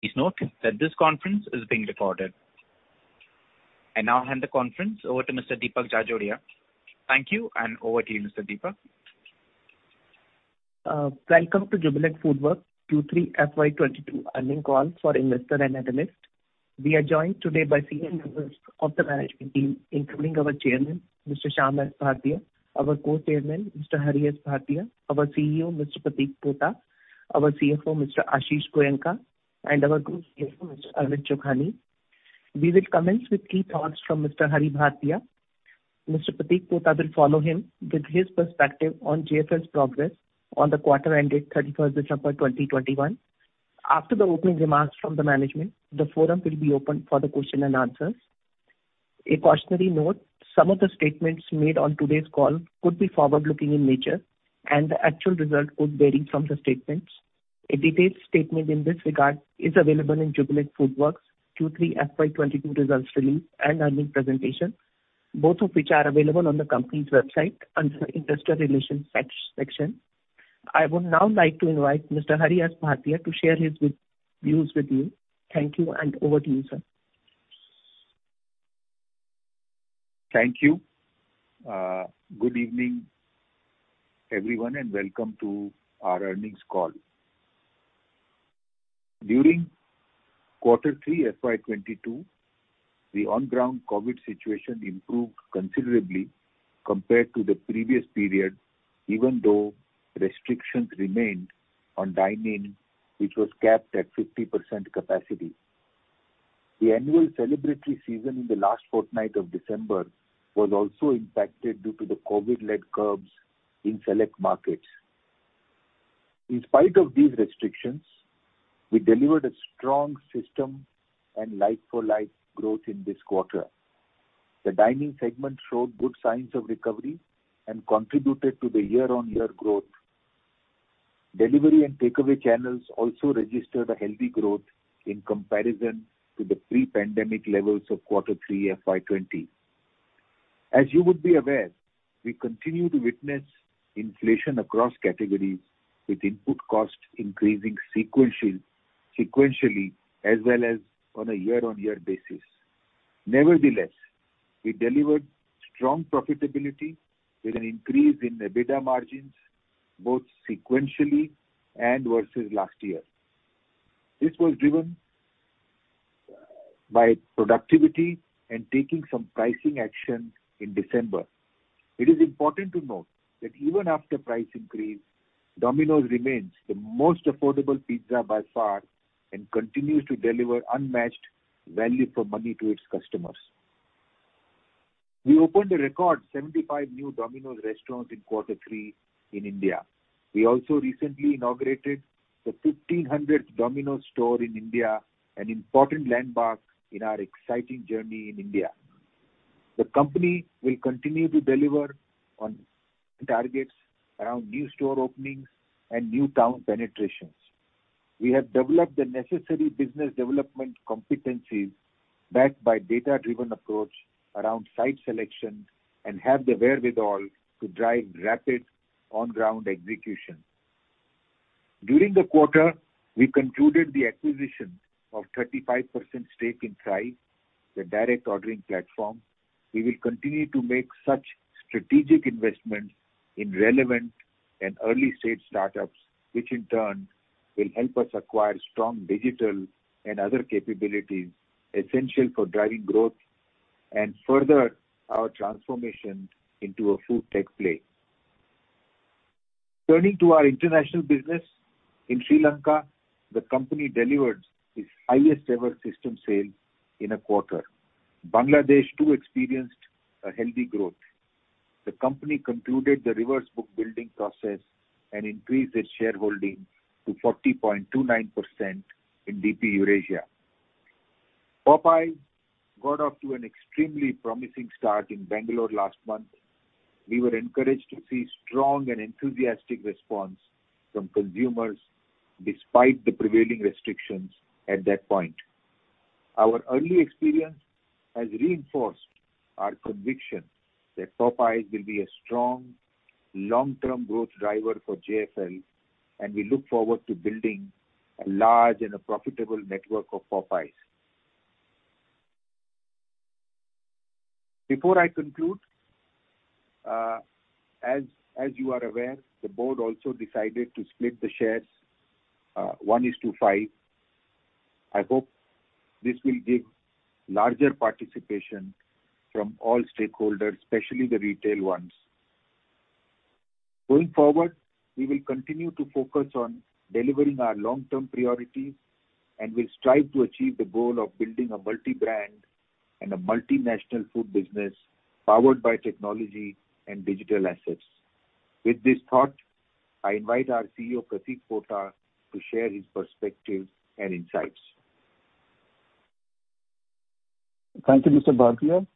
Please note that this conference is being recorded. I now hand the conference over to Mr. Deepak Jajodia. Thank you, and over to you, Mr. Deepak. Welcome to Jubilant FoodWorks Q3 FY 2022 earnings call for investors and analysts. We are joined today by senior members of the management team, including our Chairman, Mr. Shyam S. Bhartia, our Co-Chairman, Mr. Hari S. Bhartia, our CEO, Mr. Pratik Pota, our CFO, Mr. Ashish Goenka, and our Group CFO, Mr. Amit Chughani. We will commence with key thoughts from Mr. Hari Bhartia. Mr. Pratik Pota will follow him with his perspective on JFL's progress on the quarter-ended 31st December 2021. After the opening remarks from the management, the forum will be open for the question and answers. A cautionary note. Some of the statements made on today's call could be forward-looking in nature, and the actual results could vary from the statements. A detailed statement in this regard is available in Jubilant FoodWorks Q3 FY 2022 results release and earnings presentation, both of which are available on the company's website under the investor relations section. I would now like to invite Mr. Hari S. Bhartia to share his views with you. Thank you, and over to you, sir. Thank you. Good evening, everyone, and welcome to our earnings call. During Q3 FY 2022, the on-ground COVID situation improved considerably compared to the previous period, even though restrictions remained on dine-in, which was capped at 50% capacity. The annual celebratory season in the last fortnight of December was also impacted due to the COVID-led curbs in select markets. In spite of these restrictions, we delivered a strong system and like-for-like growth in this quarter. The dining segment showed good signs of recovery and contributed to the year-on-year growth. Delivery and takeaway channels also registered a healthy growth in comparison to the pre-pandemic levels of Q3 FY 2020. As you would be aware, we continue to witness inflation across categories with input costs increasing sequentially as well as on a year-on-year basis. Nevertheless, we delivered strong profitability with an increase in EBITDA margins both sequentially and versus last year. This was driven by productivity and taking some pricing action in December. It is important to note that even after price increase, Domino's remains the most affordable pizza by far and continues to deliver unmatched value for money to its customers. We opened a record 75 new Domino's restaurants in Q3 in India. We also recently inaugurated the 1,500th Domino's store in India, an important landmark in our exciting journey in India. The company will continue to deliver on targets around new store openings and new town penetrations. We have developed the necessary business development competencies backed by data-driven approach around site selection and have the wherewithal to drive rapid on-ground execution. During the quarter, we concluded the acquisition of 35% stake in Thrive, the direct ordering platform. We will continue to make such strategic investments in relevant and early-stage startups, which in turn will help us acquire strong digital and other capabilities essential for driving growth and further our transformation into a food tech play. Turning to our international business, in Sri Lanka, the company delivered its highest-ever system sale in a quarter. Bangladesh too experienced a healthy growth. The company concluded the reverse book building process and increased its shareholding to 40.29% in DP Eurasia. Popeyes got off to an extremely promising start in Bangalore last month. We were encouraged to see strong and enthusiastic response from consumers despite the prevailing restrictions at that point. Our early experience has reinforced our conviction that Popeyes will be a strong long-term growth driver for JFL, and we look forward to building a large and a profitable network of Popeyes. Before I conclude, as you are aware, the board also decided to split the shares 1-for-5. I hope this will give larger participation from all stakeholders, especially the retail ones. Going forward, we will continue to focus on delivering our long-term priorities and will strive to achieve the goal of building a multi-brand and a multinational food business powered by technology and digital assets. With this thought, I invite our CEO, Pratik Pota, to share his perspective and insights. Thank you, Mr. Bhartia,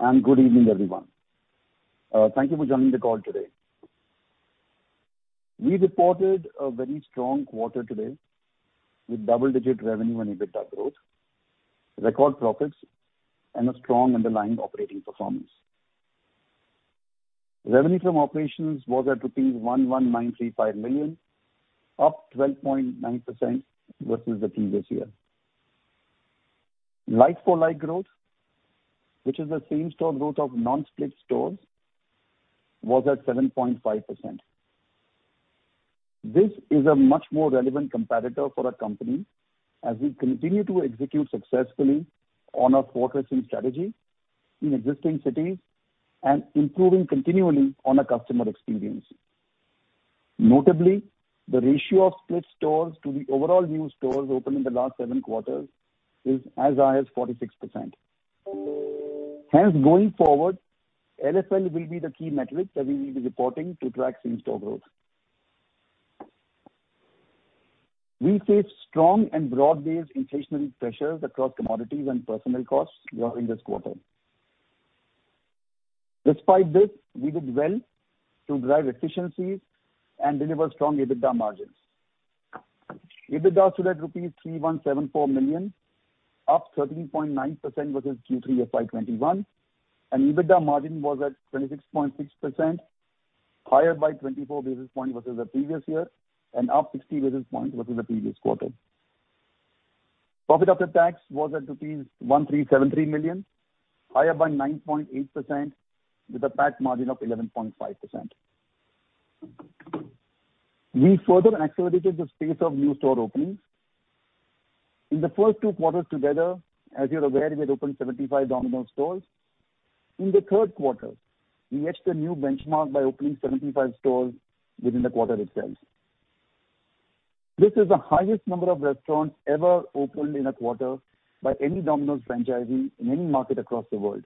and good evening, everyone. Thank you for joining the call today. We reported a very strong quarter today with double-digit revenue and EBITDA growth, record profits, and a strong underlying operating performance. Revenue from operations was at rupees 1,193.5 million, up 12.9% versus the previous year. Like-for-like growth, which is the same-store growth of non-split stores, was at 7.5%. This is a much more relevant comparator for our company as we continue to execute successfully on our fortressing strategy in existing cities and improving continually on our customer experience. Notably, the ratio of split stores to the overall new stores opened in the last seven quarters is as high as 46%. Hence, going forward, LFL will be the key metric that we will be reporting to track same-store growth. We faced strong and broad-based inflationary pressures across commodities and personnel costs during this quarter. Despite this, we did well to drive efficiencies and deliver strong EBITDA margins. EBITDA stood at rupees 3,174 million, up 13.9% versus Q3 of FY 2021, and EBITDA margin was at 26.6%, higher by 24 basis points versus the previous year and up 60 basis points versus the previous quarter. Profit after tax was at rupees 1,373 million, higher by 9.8% with a tax margin of 11.5%. We further accelerated the pace of new store openings. In the first two quarters together, as you're aware, we had opened 75 Domino's stores. In the third quarter, we matched a new benchmark by opening 75 stores within the quarter itself. This is the highest number of restaurants ever opened in a quarter by any Domino's franchisee in any market across the world.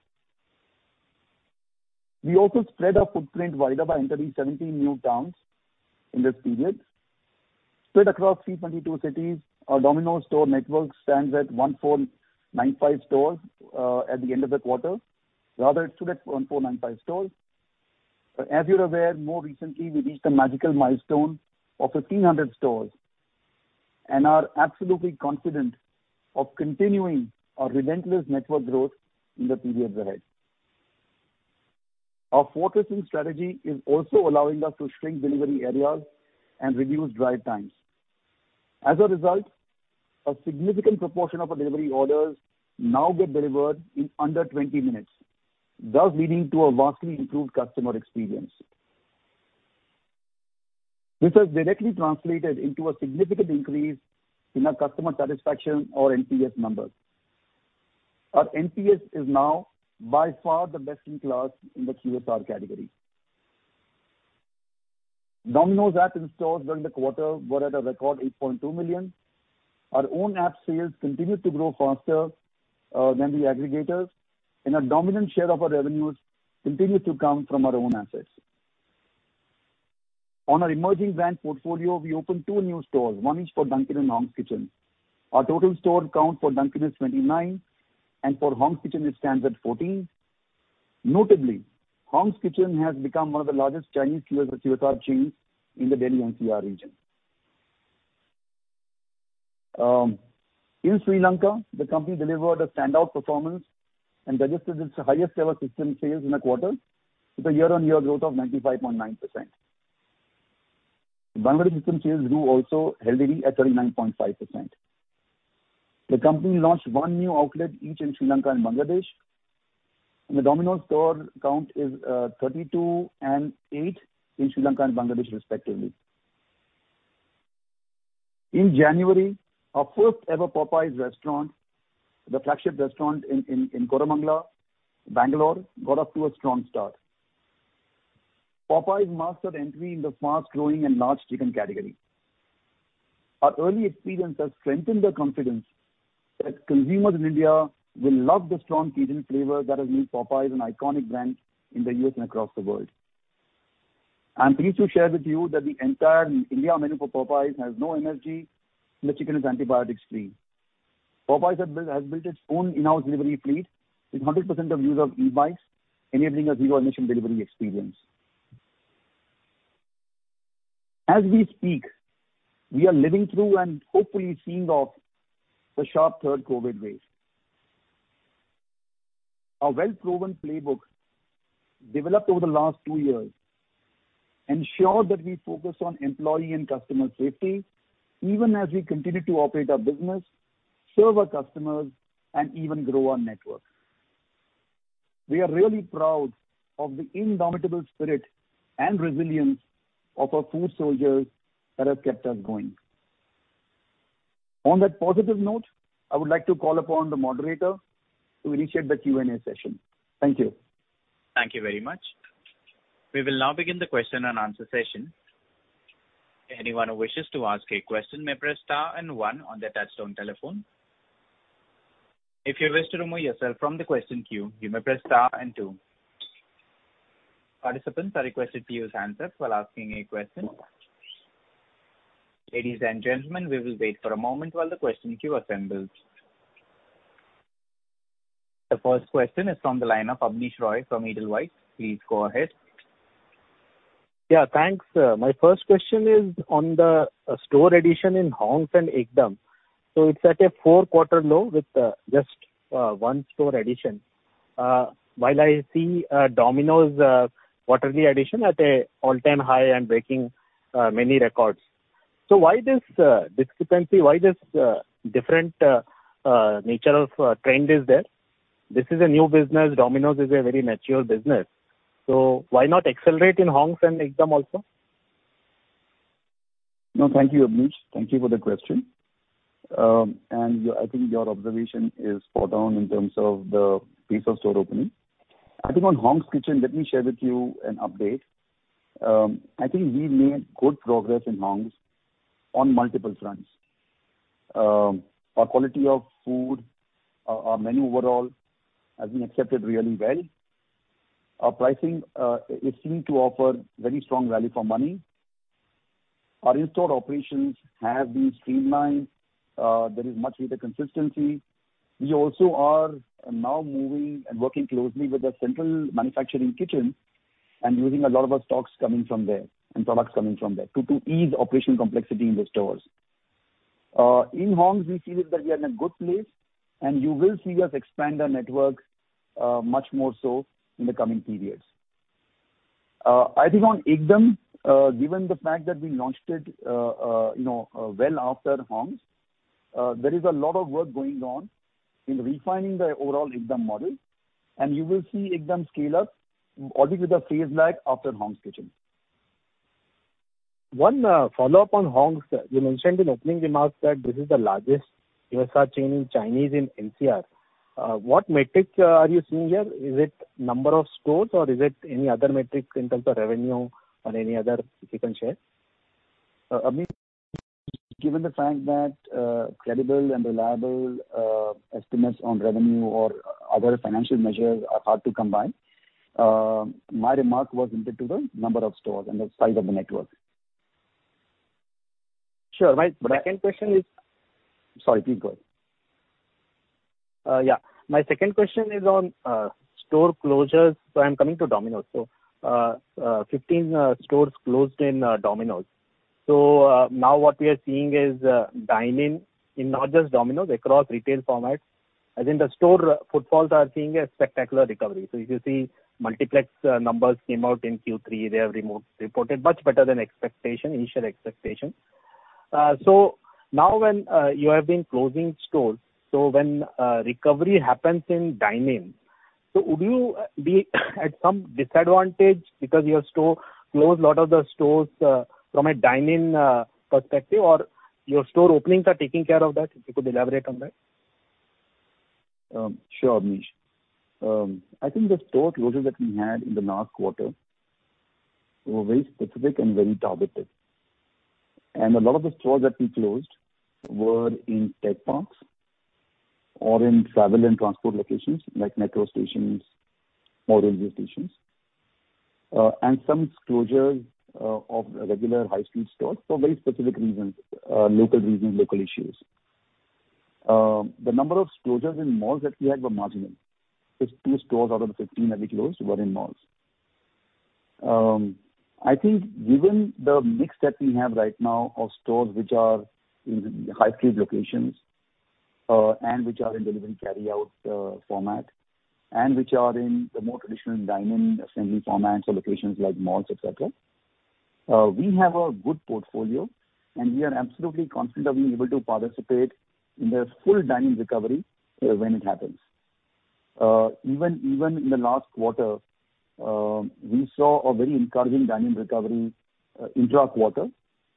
We also spread our footprint wider by entering 17 new towns in this period. Spread across 322 cities, our Domino's store network stands at 1,495 stores at the end of the quarter. Rather it stood at 1,495 stores. As you're aware, more recently we reached a magical milestone of 1,500 stores and are absolutely confident of continuing our relentless network growth in the periods ahead. Our fortressing strategy is also allowing us to shrink delivery areas and reduce drive times. As a result, a significant proportion of our delivery orders now get delivered in under 20 minutes, thus leading to a vastly improved customer experience. This has directly translated into a significant increase in our customer satisfaction or NPS numbers. Our NPS is now by far the best in class in the QSR category. Domino's app installs during the quarter were at a record 8.2 million. Our own app sales continue to grow faster than the aggregators, and a dominant share of our revenues continue to come from our own assets. On our emerging brand portfolio, we opened two new stores, one each for Dunkin' and Hong's Kitchen. Our total store count for Dunkin' is 29, and for Hong's Kitchen, it stands at 14. Notably, Hong's Kitchen has become one of the largest Chinese QSR chains in the Delhi NCR region. In Sri Lanka, the company delivered a standout performance and registered its highest ever system sales in a quarter with a year-on-year growth of 95.9%. Bangladesh system sales grew also healthily at 39.5%. The company launched one new outlet each in Sri Lanka and Bangladesh, and the Domino's store count is 32 and 8 in Sri Lanka and Bangladesh respectively. In January, our first ever Popeyes restaurant, the flagship restaurant in Koramangala, Bangalore, got off to a strong start. Popeyes marks our entry in the fast growing and large chicken category. Our early experience has strengthened the confidence that consumers in India will love the strong Cajun flavor that has made Popeyes an iconic brand in the U.S. and across the world. I'm pleased to share with you that the entire India menu for Popeyes has no MSG, and the chicken is antibiotics free. Popeyes has built its own in-house delivery fleet with 100% use of e-bikes, enabling a zero emission delivery experience. As we speak, we are living through and hopefully seeing off the sharp third COVID wave. Our well-proven playbook developed over the last two years ensures that we focus on employee and customer safety even as we continue to operate our business, serve our customers, and even grow our network. We are really proud of the indomitable spirit and resilience of our food soldiers that have kept us going. On that positive note, I would like to call upon the moderator to initiate the Q&A session. Thank you. Thank you very much. We will now begin the question and answer session. Anyone who wishes to ask a question may press star and one on their touchtone telephone. If you wish to remove yourself from the question queue, you may press star and two. Participants are requested to use handset while asking a question. Ladies and gentlemen, we will wait for a moment while the question queue assembles. The first question is from the line of Abneesh Roy from Edelweiss. Please go ahead. Yeah, thanks. My first question is on the store addition in Hong's and Ekdum!. It's at a four-quarter low with just one store addition. While I see Domino's quarterly addition at an all-time high and breaking many records. Why this discrepancy? Why this different unnatural trend is there? This is a new business. Domino's is a very mature business. Why not accelerate in Hong's and Ekdum! also? No, thank you, Abneesh. Thank you for the question. I think your observation is spot on in terms of the pace of store opening. I think on Hong's Kitchen, let me share with you an update. I think we've made good progress in Hong's on multiple fronts. Our quality of food, our menu overall has been accepted really well. Our pricing is seen to offer very strong value for money. Our in-store operations have been streamlined. There is much greater consistency. We also are now moving and working closely with a central manufacturing kitchen and using a lot of our stocks coming from there and products coming from there to ease operational complexity in the stores. In Hong's we feel that we are in a good place, and you will see us expand our network much more so in the coming periods. I think on Ekdum!, given the fact that we launched it, you know, well after Hong's, there is a lot of work going on in refining the overall Ekdum! model, and you will see Ekdum! scale up, obviously with a phase lag after Hong's Kitchen. One follow-up on Hong's. You mentioned in opening remarks that this is the largest QSR chain in Chinese in NCR. What metric are you seeing here? Is it number of stores, or is it any other metric in terms of revenue or any other you can share? Abneesh, given the fact that, credible and reliable, estimates on revenue or other financial measures are hard to come by, my remark was linked to the number of stores and the size of the network. Sure. My second question is. But I- Sorry, please go ahead. Yeah. My second question is on store closures. I'm coming to Domino's. Fifteen stores closed in Domino's. Now what we are seeing is dine-in in not just Domino's, across retail formats. I think the store footfalls are seeing a spectacular recovery. If you see multiplex numbers came out in Q3, they reported much better than initial expectation. Now when you have been closing stores, when recovery happens in dine-in, would you be at some disadvantage because you closed a lot of the stores from a dine-in perspective? Or your store openings are taking care of that? If you could elaborate on that. Sure, Abneesh. I think the store closures that we had in the last quarter were very specific and very targeted. A lot of the stores that we closed were in tech parks or in travel and transport locations like metro stations or railway stations. Some closures of regular high street stores for very specific reasons, local reasons, local issues. The number of closures in malls that we had were marginal. Six stores out of the 15 that we closed were in malls. I think given the mix that we have right now of stores which are in high street locations, and which are in delivery carryout, format, and which are in the more traditional dine-in assembly formats or locations like malls, et cetera, we have a good portfolio, and we are absolutely confident of being able to participate in the full dine-in recovery, when it happens. Even in the last quarter, we saw a very encouraging dine-in recovery, intra-quarter.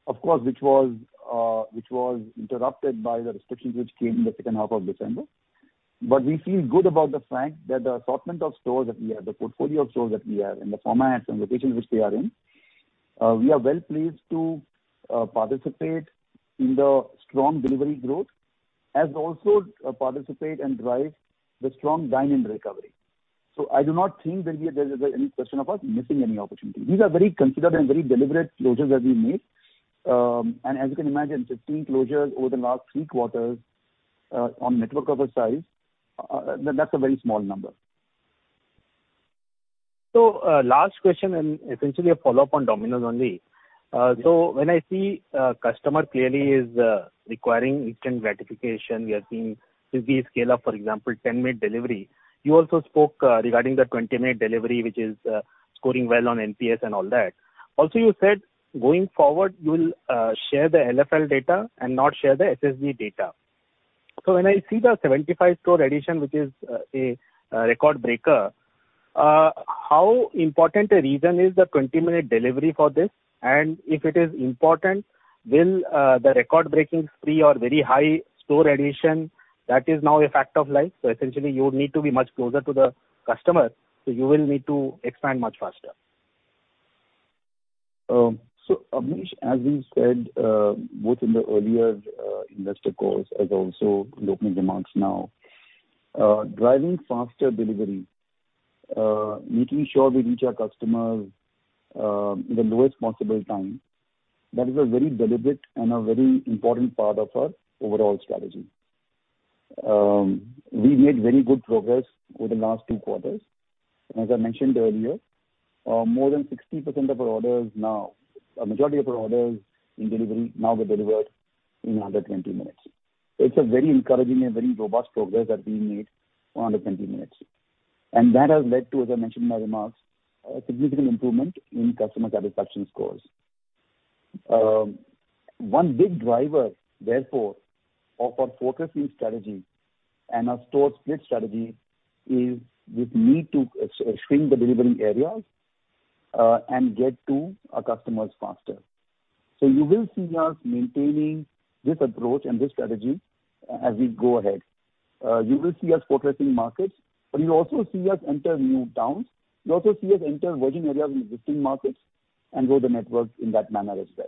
Of course, which was interrupted by the restrictions which came in the second half of December. We feel good about the fact that the assortment of stores that we have, the portfolio of stores that we have, and the formats and locations which they are in, we are well placed to participate in the strong delivery growth as also participate and drive the strong dine-in recovery. I do not think there'll be any question of us missing any opportunity. These are very considered and very deliberate closures that we made. As you can imagine, 15 closures over the last three quarters, on a network of a size, that's a very small number. Last question and essentially a follow-up on Domino's only. When I see a customer clearly is requiring instant gratification, we are seeing Swiggy scale up, for example, 10-minute delivery. You also spoke regarding the 20-minute delivery, which is scoring well on NPS and all that. Also, you said going forward, you will share the LFL data and not share the SSG data. When I see the 75 store addition, which is a record breaker, how important a reason is the 20-minute delivery for this? And if it is important, will the record-breaking spree or very high store addition that is now a fact of life? Essentially you need to be much closer to the customer, so you will need to expand much faster. Abneesh, as we said, both in the earlier investor calls as also in opening remarks now, driving faster delivery, making sure we reach our customers in the lowest possible time, that is a very deliberate and a very important part of our overall strategy. We made very good progress over the last two quarters. As I mentioned earlier, more than 60% of our orders now, a majority of our orders in delivery now get delivered in under 20 minutes. It's a very encouraging and very robust progress that we made for under 20 minutes. That has led to, as I mentioned in my remarks, a significant improvement in customer satisfaction scores. One big driver, therefore, of our fortressing strategy and our store split strategy is this need to shrink the delivery areas and get to our customers faster. You will see us maintaining this approach and this strategy as we go ahead. You will see us fortressing markets, but you'll also see us enter new towns. You'll also see us enter virgin areas in existing markets and grow the network in that manner as well.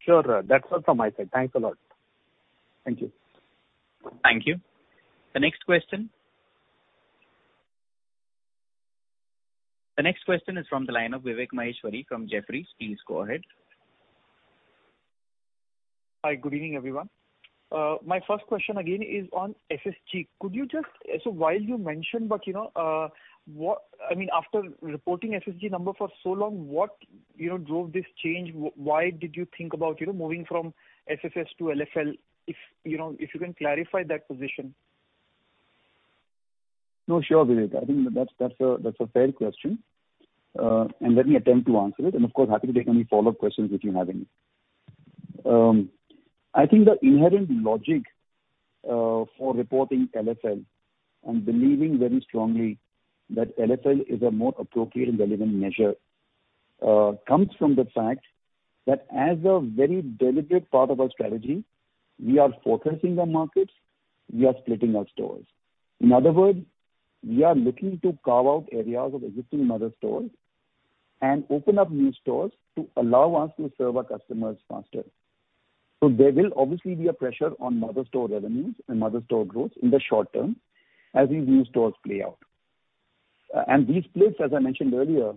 Sure. That's all from my side. Thanks a lot. Thank you. Thank you. The next question. The next question is from the line of Vivek Maheshwari from Jefferies. Please go ahead. Hi, good evening, everyone. My first question again is on SSG. Could you just while you mentioned, you know, I mean, after reporting SSG number for so long, what you know drove this change? Why did you think about, you know, moving from SSS to LFL? If you know, if you can clarify that position. No, sure, Vivek. I think that's a fair question. Let me attempt to answer it and, of course, happy to take any follow-up questions if you have any. I think the inherent logic for reporting LFL and believing very strongly that LFL is a more appropriate and relevant measure comes from the fact that as a very deliberate part of our strategy, we are fortressing our markets, we are splitting our stores. In other words, we are looking to carve out areas of existing mother stores and open up new stores to allow us to serve our customers faster. There will obviously be a pressure on mother store revenues and mother store growth in the short term as these new stores play out. These splits, as I mentioned earlier,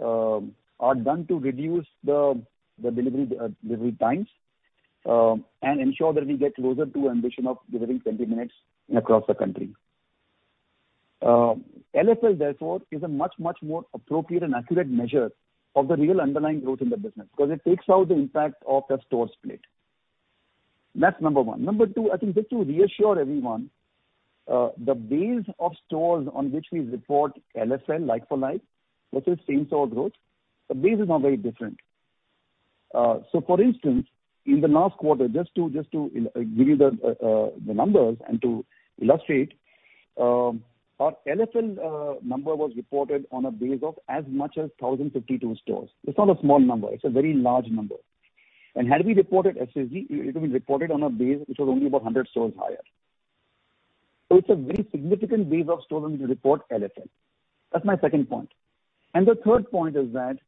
are done to reduce the delivery times and ensure that we get closer to ambition of delivering 20 minutes across the country. LFL therefore is a much, much more appropriate and accurate measure of the real underlying growth in the business because it takes out the impact of that store split. That's number one. Number two, I think just to reassure everyone, the base of stores on which we report LFL like-for-like versus same-store growth, the base is not very different. For instance, in the last quarter, just to you know, give you the numbers and to illustrate, our LFL number was reported on a base of as much as 1,052 stores. It's not a small number. It's a very large number. Had we reported SSG, it would've been reported on a base which was only about 100 stores higher. So it's a very significant base of stores on which we report LFL. That's my second point. The third point is that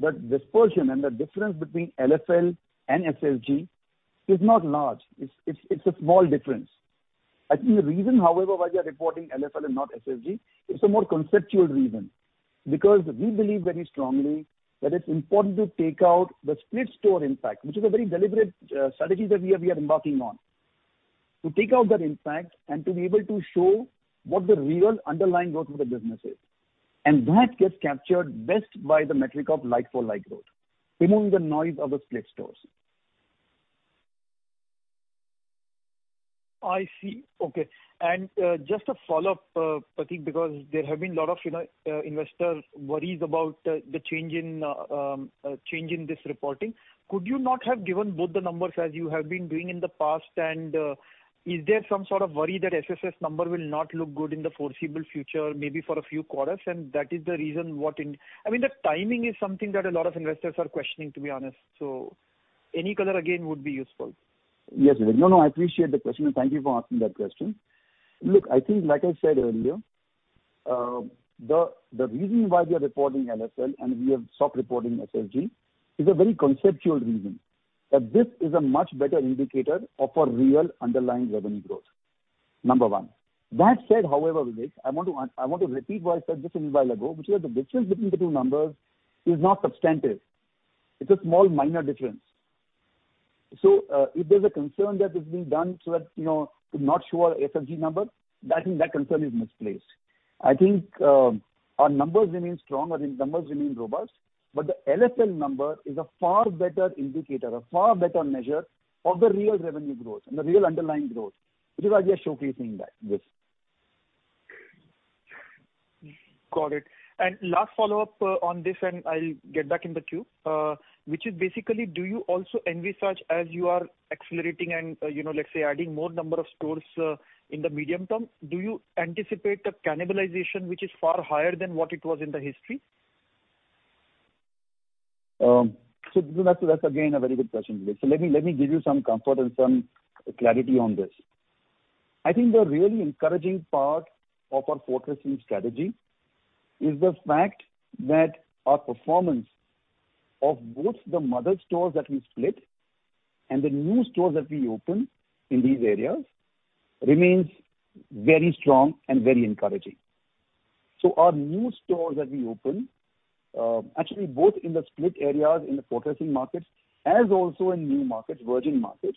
the dispersion and the difference between LFL and SSG is not large. It's a small difference. I think the reason, however, why we are reporting LFL and not SSG is a more conceptual reason, because we believe very strongly that it's important to take out the split store impact, which is a very deliberate strategy that we are embarking on. To take out that impact and to be able to show what the real underlying growth of the business is. That gets captured best by the metric of like-for-like growth, removing the noise of the split stores. I see. Okay. Just a follow-up, Pratik, because there have been a lot of, you know, investor worries about the change in this reporting. Could you not have given both the numbers as you have been doing in the past? Is there some sort of worry that SSS number will not look good in the foreseeable future, maybe for a few quarters, and that is the reason. I mean, the timing is something that a lot of investors are questioning, to be honest. Any color again would be useful. Yes. No, no, I appreciate the question, and thank you for asking that question. Look, I think like I said earlier, the reason why we are reporting LFL and we have stopped reporting SSG is a very conceptual reason, that this is a much better indicator of our real underlying revenue growth. Number one. That said, however, Vivek, I want to repeat what I said just a little while ago, which is the difference between the two numbers is not substantive. It's a small minor difference. If there's a concern that it's being done so that, you know, to not show our SSG number, I think that concern is misplaced. I think, our numbers remain strong, our numbers remain robust, but the LFL number is a far better indicator, a far better measure of the real revenue growth and the real underlying growth, which is why we are showcasing that, this. Got it. Last follow-up on this, and I'll get back in the queue. Which is basically do you also envisage as you are accelerating and, you know, let's say adding more number of stores, in the medium term, do you anticipate a cannibalization which is far higher than what it was in the history? That's again a very good question, Vivek. Let me give you some comfort and some clarity on this. I think the really encouraging part of our fortressing strategy is the fact that our performance of both the mother stores that we split and the new stores that we open in these areas remains very strong and very encouraging. Our new stores that we open, actually both in the split areas in the fortressing markets as also in new markets, virgin markets,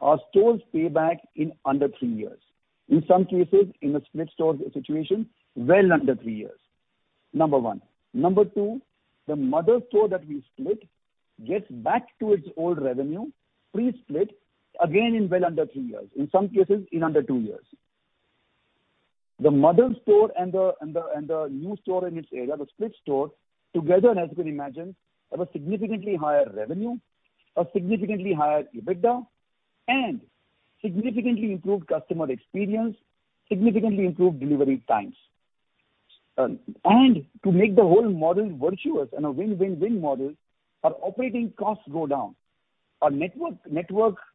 our stores pay back in under three years. In some cases, in a split store situation, well under three years. Number one. Number two, the mother store that we split gets back to its old revenue pre-split again in well under three years, in some cases in under two years. The mother store and the new store in its area, the split store together, and as you can imagine, have a significantly higher revenue, a significantly higher EBITDA and significantly improved customer experience, significantly improved delivery times. To make the whole model virtuous and a win-win-win model, our operating costs go down. Our network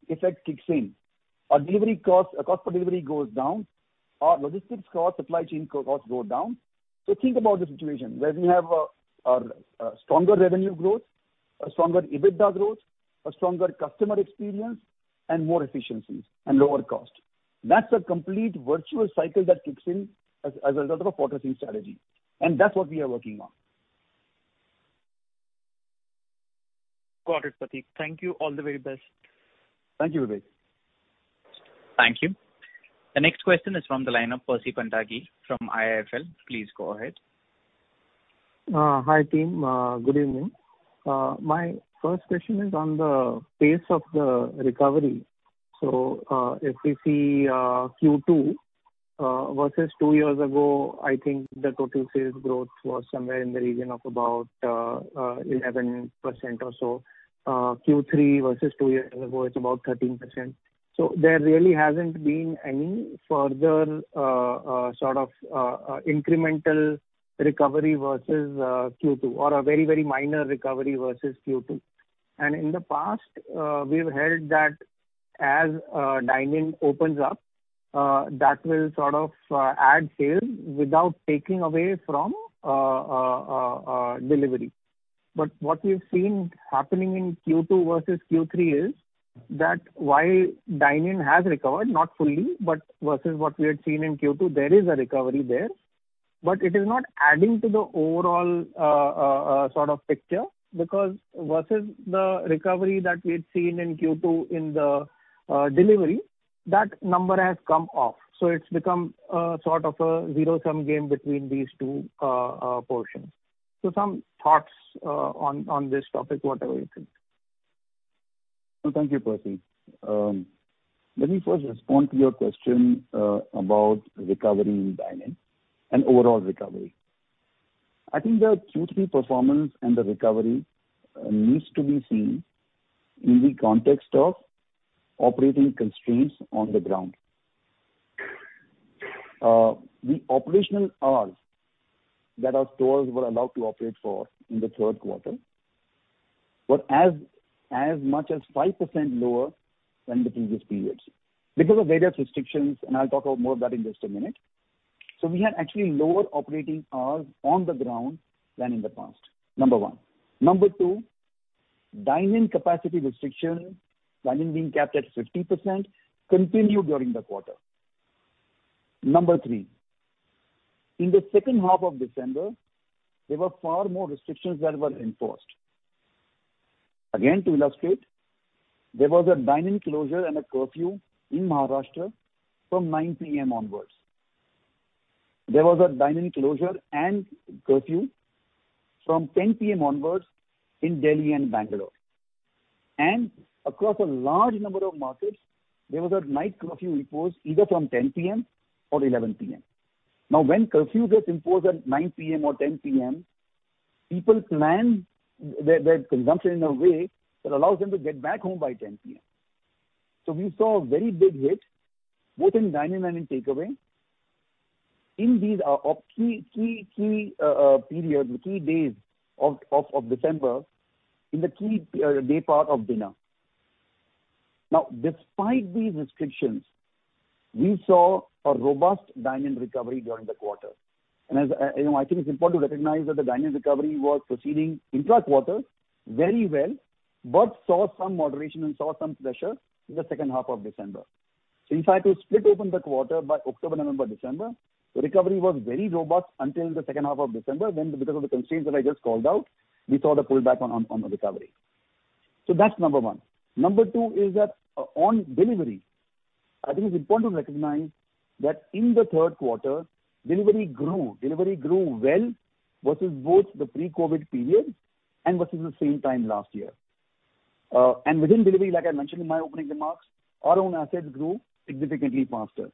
effect kicks in. Our delivery costs, our cost per delivery goes down. Our logistics costs, supply chain costs go down. Think about the situation where we have a stronger revenue growth, a stronger EBITDA growth, a stronger customer experience and more efficiencies and lower cost. That's a complete virtuous cycle that kicks in as a result of a fortressing strategy, and that's what we are working on. Got it, Pratik. Thank you. All the very best. Thank you, Vivek. Thank you. The next question is from the line of Percy Panthaki from IIFL. Please go ahead. Hi, team. Good evening. My first question is on the pace of the recovery. If we see Q2 versus two years ago, I think the total sales growth was somewhere in the region of about 11% or so. Q3 versus two years ago it's about 13%. There really hasn't been any further sort of incremental recovery versus Q2 or a very, very minor recovery versus Q2. In the past we've heard that as dine-in opens up that will sort of add sales without taking away from delivery. What we've seen happening in Q2 versus Q3 is that while dine-in has recovered, not fully, but versus what we had seen in Q2, there is a recovery there, but it is not adding to the overall sort of picture because versus the recovery that we had seen in Q2 in the delivery, that number has come off. It's become a sort of a zero-sum game between these two portions. Some thoughts on this topic, whatever you think. Thank you, Percy. Let me first respond to your question about recovery in dine-in and overall recovery. I think the Q3 performance and the recovery needs to be seen in the context of operating constraints on the ground. The operational hours that our stores were allowed to operate for in the third quarter were as much as 5% lower than the previous periods because of various restrictions, and I'll talk about more of that in just a minute. We had actually lower operating hours on the ground than in the past, number one. Number two, dine-in capacity restrictions, dine-in being capped at 50% continued during the quarter. Number three, in the second half of December, there were far more restrictions that were enforced. Again, to illustrate, there was a dine-in closure and a curfew in Maharashtra from 9:00 P.M. onwards. There was a dine-in closure and curfew from 10:00 P.M. onwards in Delhi and Bangalore. Across a large number of markets, there was a night curfew imposed either from 10:00 P.M. or 11:00 P.M. When curfew gets imposed at 9:00 P.M. or 10:00 P.M., people plan their consumption in a way that allows them to get back home by 10:00 P.M. We saw a very big hit, both in dine-in and in takeaway in these key period, key days of December in the key day part of dinner. Despite these restrictions, we saw a robust dine-in recovery during the quarter. As you know, I think it's important to recognize that the dine-in recovery was proceeding intra-quarter very well but saw some moderation and saw some pressure in the second half of December. If I had to split open the quarter by October, November, December, the recovery was very robust until the second half of December, then because of the constraints that I just called out, we saw the pullback on the recovery. That's number one. Number two is that on delivery, I think it's important to recognize that in the third quarter, delivery grew. Delivery grew well versus both the pre-COVID period and versus the same time last year. And within delivery, like I mentioned in my opening remarks, our own assets grew significantly faster.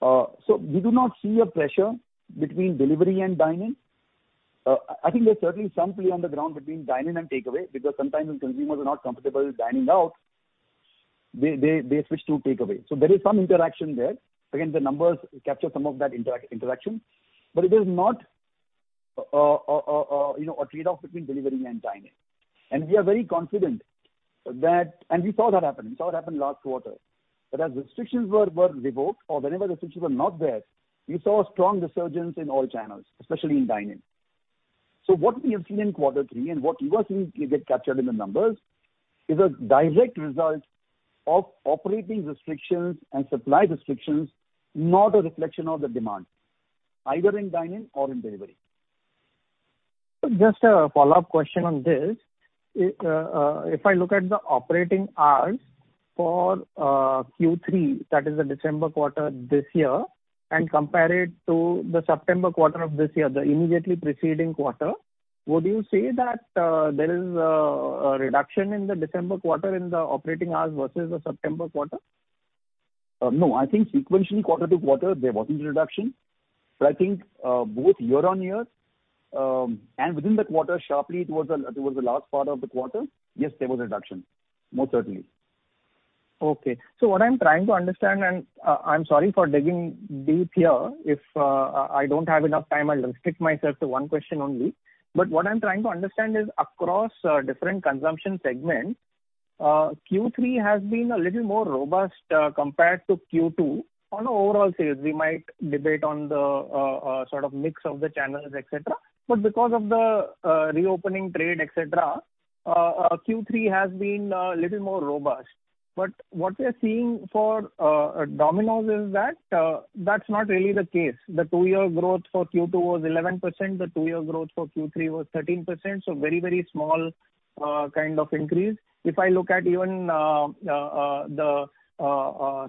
We do not see a pressure between delivery and dine-in. I think there's certainly some play on the ground between dine-in and takeaway because sometimes when consumers are not comfortable dining out, they switch to takeaway. There is some interaction there. Again, the numbers capture some of that interaction, but it is not, you know, a trade-off between delivery and dine-in. We are very confident that we saw it happen last quarter. That, as restrictions were revoked or whenever restrictions were not there, we saw strong resurgence in all channels, especially in dine-in. What we have seen in quarter three and what you are seeing get captured in the numbers is a direct result of operating restrictions and supply restrictions, not a reflection of the demand either in dine-in or in delivery. Just a follow-up question on this. If I look at the operating hours for Q3, that is the December quarter this year, and compare it to the September quarter of this year, the immediately preceding quarter, would you say that there is a reduction in the December quarter in the operating hours versus the September quarter? No. I think sequentially quarter to quarter, there wasn't a reduction. I think both year on year and within the quarter sharply towards the last part of the quarter, yes, there was a reduction. Most certainly. Okay. What I'm trying to understand, and I'm sorry for digging deep here. If I don't have enough time, I'll restrict myself to one question only. What I'm trying to understand is across different consumption segments, Q3 has been a little more robust compared to Q2 on overall sales. We might debate on the sort of mix of the channels, et cetera. Because of the reopening trade, et cetera, Q3 has been little more robust. What we are seeing for Domino's is that that's not really the case. The two-year growth for Q2 was 11%. The two-year growth for Q3 was 13%. Very, very small kind of increase. If I look at even the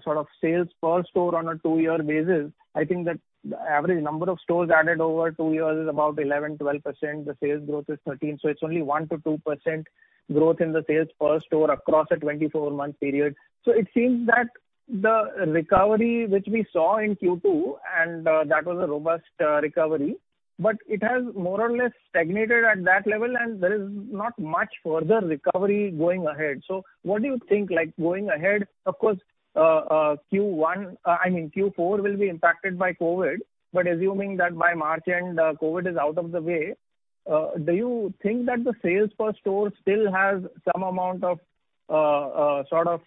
sort of sales per store on a two-year basis, I think that the average number of stores added over two years is about 11%-12%. The sales growth is 13%. It's only 1%-2% growth in the sales per store across a 24-month period. It seems that the recovery which we saw in Q2, and that was a robust recovery, but it has more or less stagnated at that level and there is not much further recovery going ahead. What do you think, like, going ahead, of course, Q4 will be impacted by COVID, but assuming that by March end, COVID is out of the way, do you think that the sales per store still has some amount of, sort of,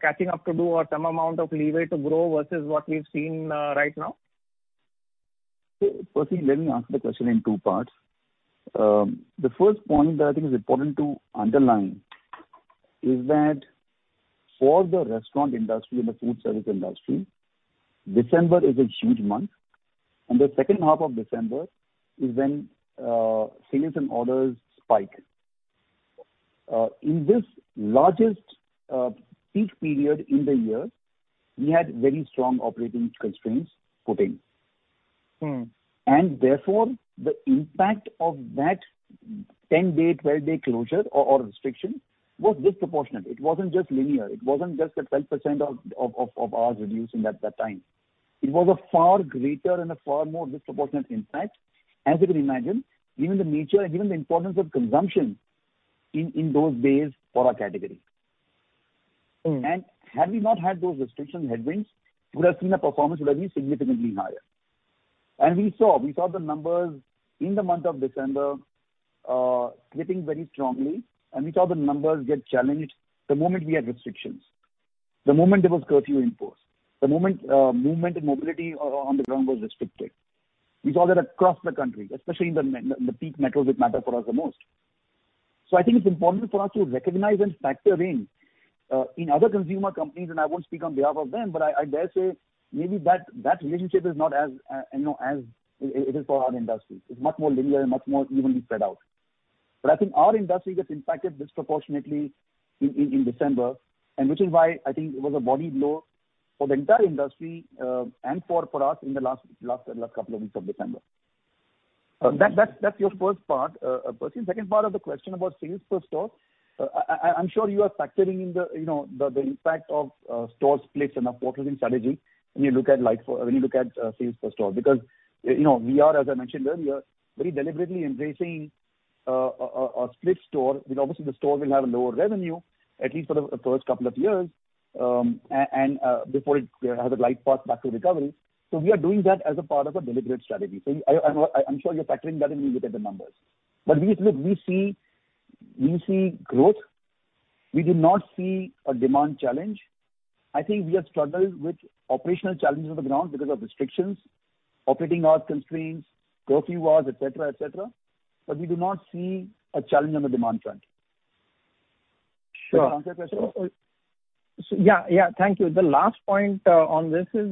catching up to do or some amount of leeway to grow versus what we've seen, right now? Firstly, let me answer the question in two parts. The first point that I think is important to underline is that for the restaurant industry and the food service industry, December is a huge month, and the second half of December is when sales and orders spike. In this largest peak period in the year, we had very strong operating constraints put in. Mm-hmm. Therefore, the impact of that 10-day, 12-day closure or restriction was disproportionate. It wasn't just linear. It wasn't just a 12% of hours reduced in that time. It was a far greater and a far more disproportionate impact, as you can imagine, given the nature and given the importance of consumption in those days for our category. Mm-hmm. Had we not had those restriction headwinds, you would have seen a performance that is significantly higher. We saw the numbers in the month of December slipping very strongly, and we saw the numbers get challenged the moment we had restrictions, the moment there was curfew imposed, the moment movement and mobility on the ground was restricted. We saw that across the country, especially in the peak metros which matter for us the most. I think it's important for us to recognize and factor in in other consumer companies, and I won't speak on behalf of them, but I dare say maybe that relationship is not as you know as it is for our industry. It's much more linear and much more evenly spread out. I think our industry gets impacted disproportionately in December, which is why I think it was a body blow for the entire industry, and for us in the last couple of weeks of December. That's your first part, Percy. Second part of the question about sales per store. I'm sure you are factoring in the, you know, the impact of store splits and our portfolio strategy when you look at sales per store. Because, you know, we are, as I mentioned earlier, very deliberately embracing a split store. You know, obviously the store will have a lower revenue at least for the first couple of years, and before it has a glide path back to recovery. We are doing that as a part of a deliberate strategy. I'm sure you're factoring that in when you look at the numbers. Look, we see growth. We do not see a demand challenge. I think we have struggled with operational challenges on the ground because of restrictions, operating hour constraints, curfew hours, et cetera. We do not see a challenge on the demand front. Sure. Does that answer your question? Yeah, yeah. Thank you. The last point on this is,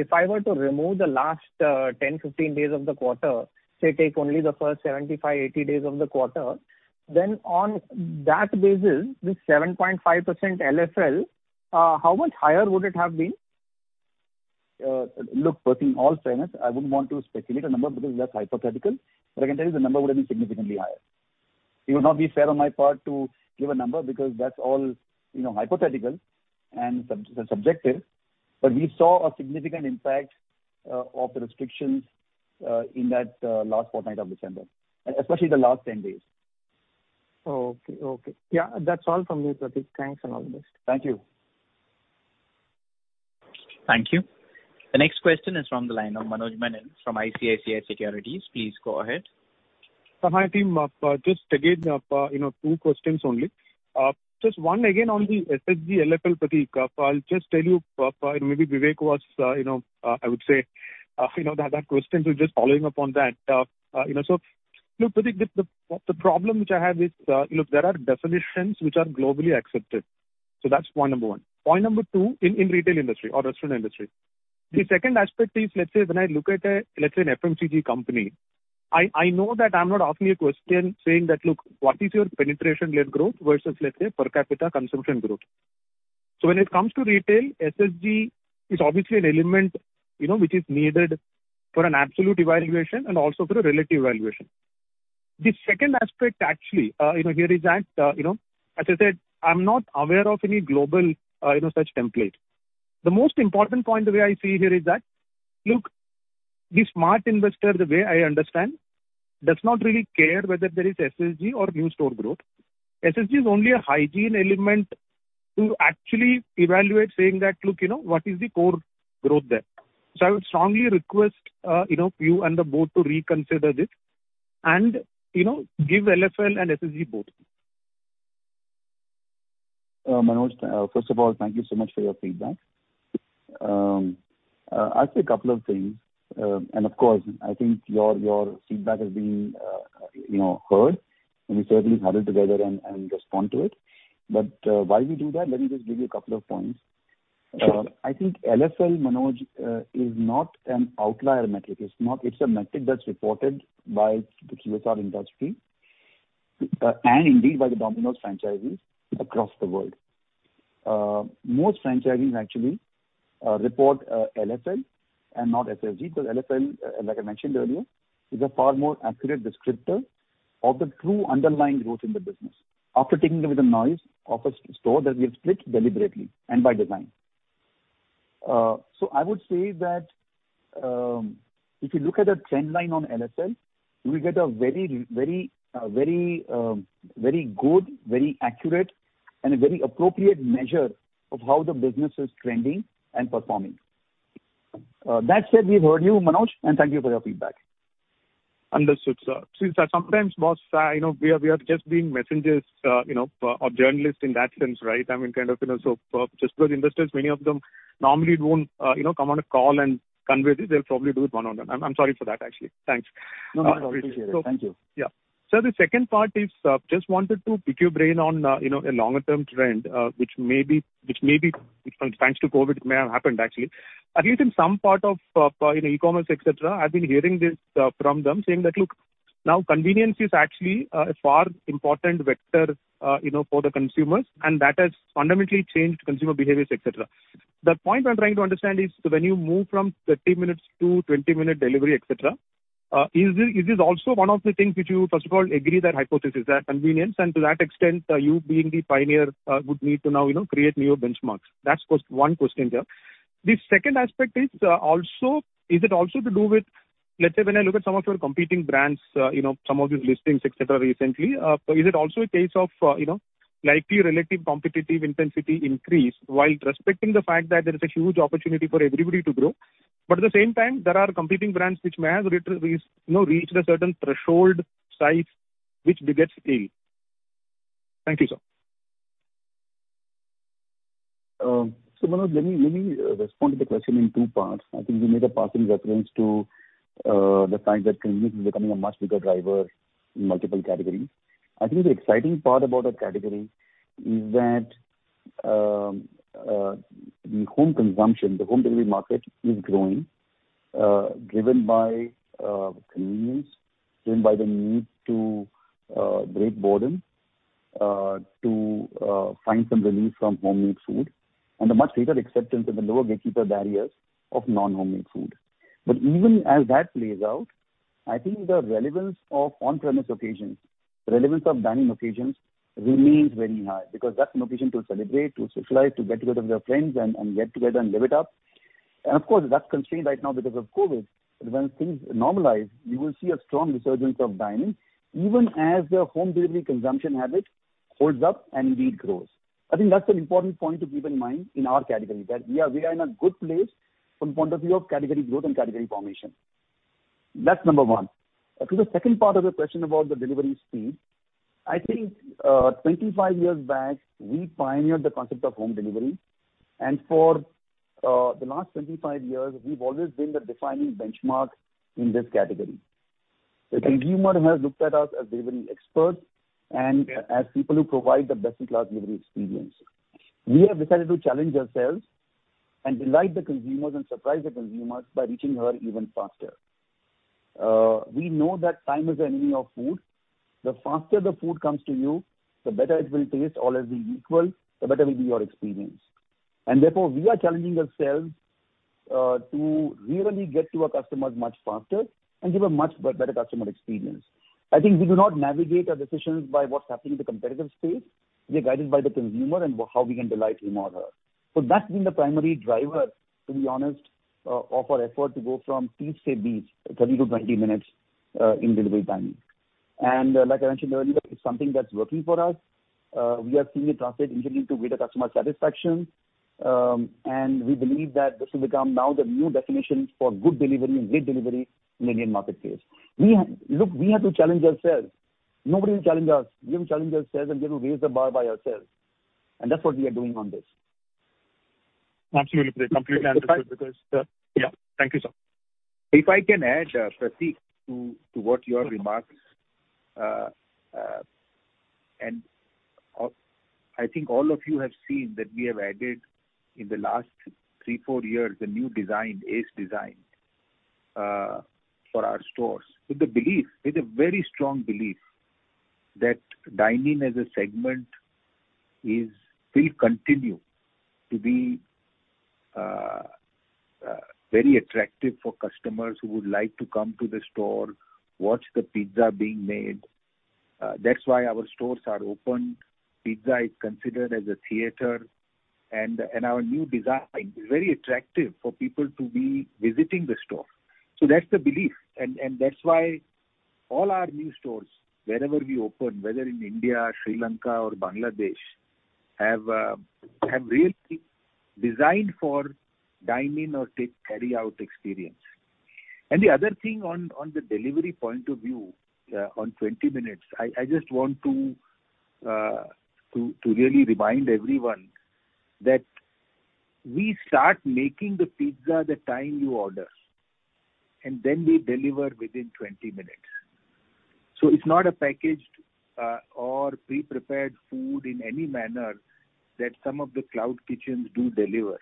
if I were to remove the last 10-15 days of the quarter, say take only the first 75-80 days of the quarter, then on that basis, the 7.5% LFL, how much higher would it have been? Look, Percy, in all fairness, I wouldn't want to speculate a number because that's hypothetical. I can tell you the number would have been significantly higher. It would not be fair on my part to give a number because that's all, you know, hypothetical and subjective. We saw a significant impact of the restrictions in that last fortnight of December, especially the last 10 days. Okay. Yeah. That's all from me, Pratik. Thanks and all the best. Thank you. Thank you. The next question is from the line of Manoj Menon from ICICI Securities. Please go ahead. Hi, team. Just again, you know, two questions only. Just one again on the SSG LFL, Pratik. I'll just tell you, maybe Vivek was, you know, I would say, you know, that question, so just following up on that. You know, look, Pratik, the problem which I have is, look, there are definitions which are globally accepted. That's point number one. Point number two in retail industry or restaurant industry. The second aspect is, let's say when I look at a, let's say an FMCG company, I know that I'm not asking a question saying that, "Look, what is your penetration led growth versus let's say, per capita consumption growth?" So when it comes to retail, SSG is obviously an element, you know, which is needed for an absolute evaluation and also for a relative evaluation. The second aspect, you know, here is that, you know, as I said, I'm not aware of any global, you know, such template. The most important point the way I see here is that, look, the smart investor, the way I understand, does not really care whether there is SSG or new store growth. SSG is only a hygiene element to actually evaluate saying that, "Look, you know, what is the core growth there?" I would strongly request, you know, you and the board to reconsider this and, you know, give LFL and SSG both. Manoj, first of all, thank you so much for your feedback. I'll say a couple of things. Of course, I think your feedback has been, you know, heard, and we certainly huddled together and respond to it. While we do that, let me just give you a couple of points. Sure. I think LFL, Manoj, is not an outlier metric. It's not. It's a metric that's reported by the QSR industry, and indeed by the Domino's franchisees across the world. Most franchisees actually report LFL and not SSG because LFL, like I mentioned earlier, is a far more accurate descriptor of the true underlying growth in the business after taking away the noise of a store that we have split deliberately and by design. I would say that, if you look at a trend line on LFL, you will get a very good, very accurate and a very appropriate measure of how the business is trending and performing. That said, we've heard you, Manoj, and thank you for your feedback. Understood, sir. Since sometimes most, you know, we are just being messengers, you know, for our journalists in that sense, right? I mean, kind of, you know, so just because investors, many of them normally won't, you know, come on a call and convey this. They'll probably do it one-on-one. I'm sorry for that actually. Thanks. No, no, I appreciate it. Thank you. Yeah. The second part is, just wanted to pick your brain on, you know, a longer term trend, which may be thanks to COVID may have happened actually. At least in some part of, you know, e-commerce, et cetera, I've been hearing this from them saying that, "Look, now convenience is actually a far important vector, you know, for the consumers, and that has fundamentally changed consumer behaviors, et cetera." The point I'm trying to understand is when you move from 30 minutes to 20-minute delivery, et cetera, is it, is this also one of the things which you first of all agree that hypothesis, that convenience and to that extent, you being the pioneer, would need to now, you know, create newer benchmarks? That's first one question here. The second aspect is also is it also to do with, let's say when I look at some of your competing brands, you know, some of these listings, et cetera, recently. Is it also a case of, you know, likely relative competitive intensity increase while respecting the fact that there is a huge opportunity for everybody to grow, but at the same time there are competing brands which may have reached a certain threshold size which begets A. Thank you, sir. Manoj, let me respond to the question in two parts. I think you made a passing reference to the fact that convenience is becoming a much bigger driver in multiple categories. I think the exciting part about our category is that the home consumption, the home delivery market is growing, driven by convenience, driven by the need to break boredom, to find some relief from home-made food and the much greater acceptance and the lower gatekeeper barriers of non-home-made food. But even as that plays out, I think the relevance of on-premise occasions, relevance of dining occasions remains very high because that's an occasion to celebrate, to socialize, to get together with your friends and get together and live it up. Of course, that's constrained right now because of COVID. When things normalize, you will see a strong resurgence of dining even as the home delivery consumption habit holds up and indeed grows. I think that's an important point to keep in mind in our category that we are in a good place from point of view of category growth and category formation. That's number one. To the second part of the question about the delivery speed. I think, 25 years back we pioneered the concept of home delivery. For the last 25 years we've always been the defining benchmark in this category. The consumer has looked at us as delivery experts and as people who provide the best-in-class delivery experience. We have decided to challenge ourselves and delight the consumers and surprise the consumers by reaching her even faster. We know that time is the enemy of food. The faster the food comes to you, the better it will taste, all else being equal, the better will be your experience. Therefore, we are challenging ourselves to really get to our customers much faster and give a much better customer experience. I think we do not navigate our decisions by what's happening in the competitive space. We are guided by the consumer and how we can delight him or her. That's been the primary driver, to be honest, of our effort to go from 30 to 20 minutes in delivery timing. Like I mentioned earlier, it's something that's working for us. We are seeing it translate into greater customer satisfaction. We believe that this will become now the new definition for good delivery and great delivery in the Indian marketplace. Look, we have to challenge ourselves. Nobody will challenge us. We have to challenge ourselves and we have to raise the bar by ourselves. That's what we are doing on this. Absolutely. I completely understand because, yeah. Thank you, sir. If I can add, Pratik, to your remarks and I think all of you have seen that we have added in the last three to four years the new design, ACE design, for our stores with the belief, with a very strong belief that dine-in as a segment will continue to be very attractive for customers who would like to come to the store, watch the pizza being made. That's why our stores are opened. Pizza is considered as a theater and our new design is very attractive for people to be visiting the store. That's the belief. That's why all our new stores, wherever we open, whether in India, Sri Lanka or Bangladesh, have really designed for dine-in or take carryout experience. The other thing on the delivery point of view, on 20 minutes, I just want to really remind everyone that we start making the pizza the time you order, and then we deliver within 20 minutes. It's not a packaged or pre-prepared food in any manner that some of the cloud kitchens do deliver.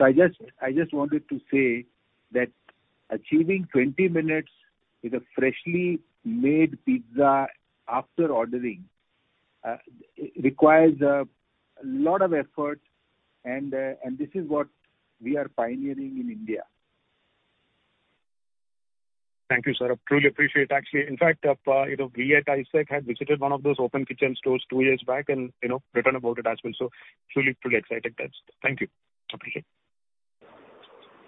I just wanted to say that achieving 20 minutes with a freshly made pizza after ordering, it requires a lot of effort and this is what we are pioneering in India. Thank you, sir. I truly appreciate it. Actually, in fact, you know, we at ICICI Securities had visited one of those open kitchen stores two years back and, you know, written about it as well. Truly excited. Thank you. Appreciate it.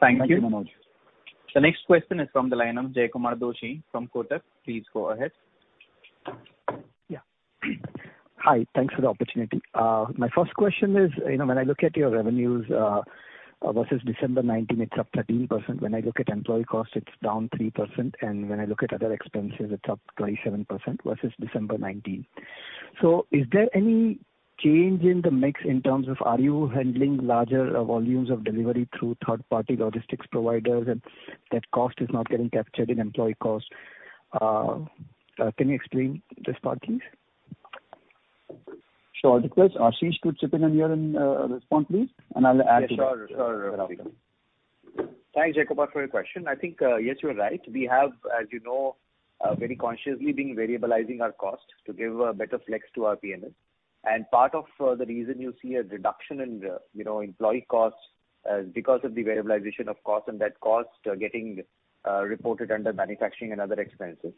Thank you, Manoj. The next question is from the line of Jaykumar Doshi from Kotak. Please go ahead. Yeah. Hi. Thanks for the opportunity. My first question is, you know, when I look at your revenues versus December 2019, it's up 13%. When I look at employee costs, it's down 3%. When I look at other expenses, it's up 27% versus December 2019. Is there any change in the mix in terms of are you handling larger volumes of delivery through third-party logistics providers and that cost is not getting captured in employee costs? Can you explain this part, please? Sure. Ashish could chip in here and respond, please, and I'll add to that. Yeah, sure. Sure. You're welcome. Thanks, Jaykumar, for your question. I think yes, you're right. We have, as you know, very consciously been variabilizing our costs to give a better flex to our P&L. Part of the reason you see a reduction in, you know, employee costs because of the variabilization of cost and that cost getting reported under manufacturing and other expenses.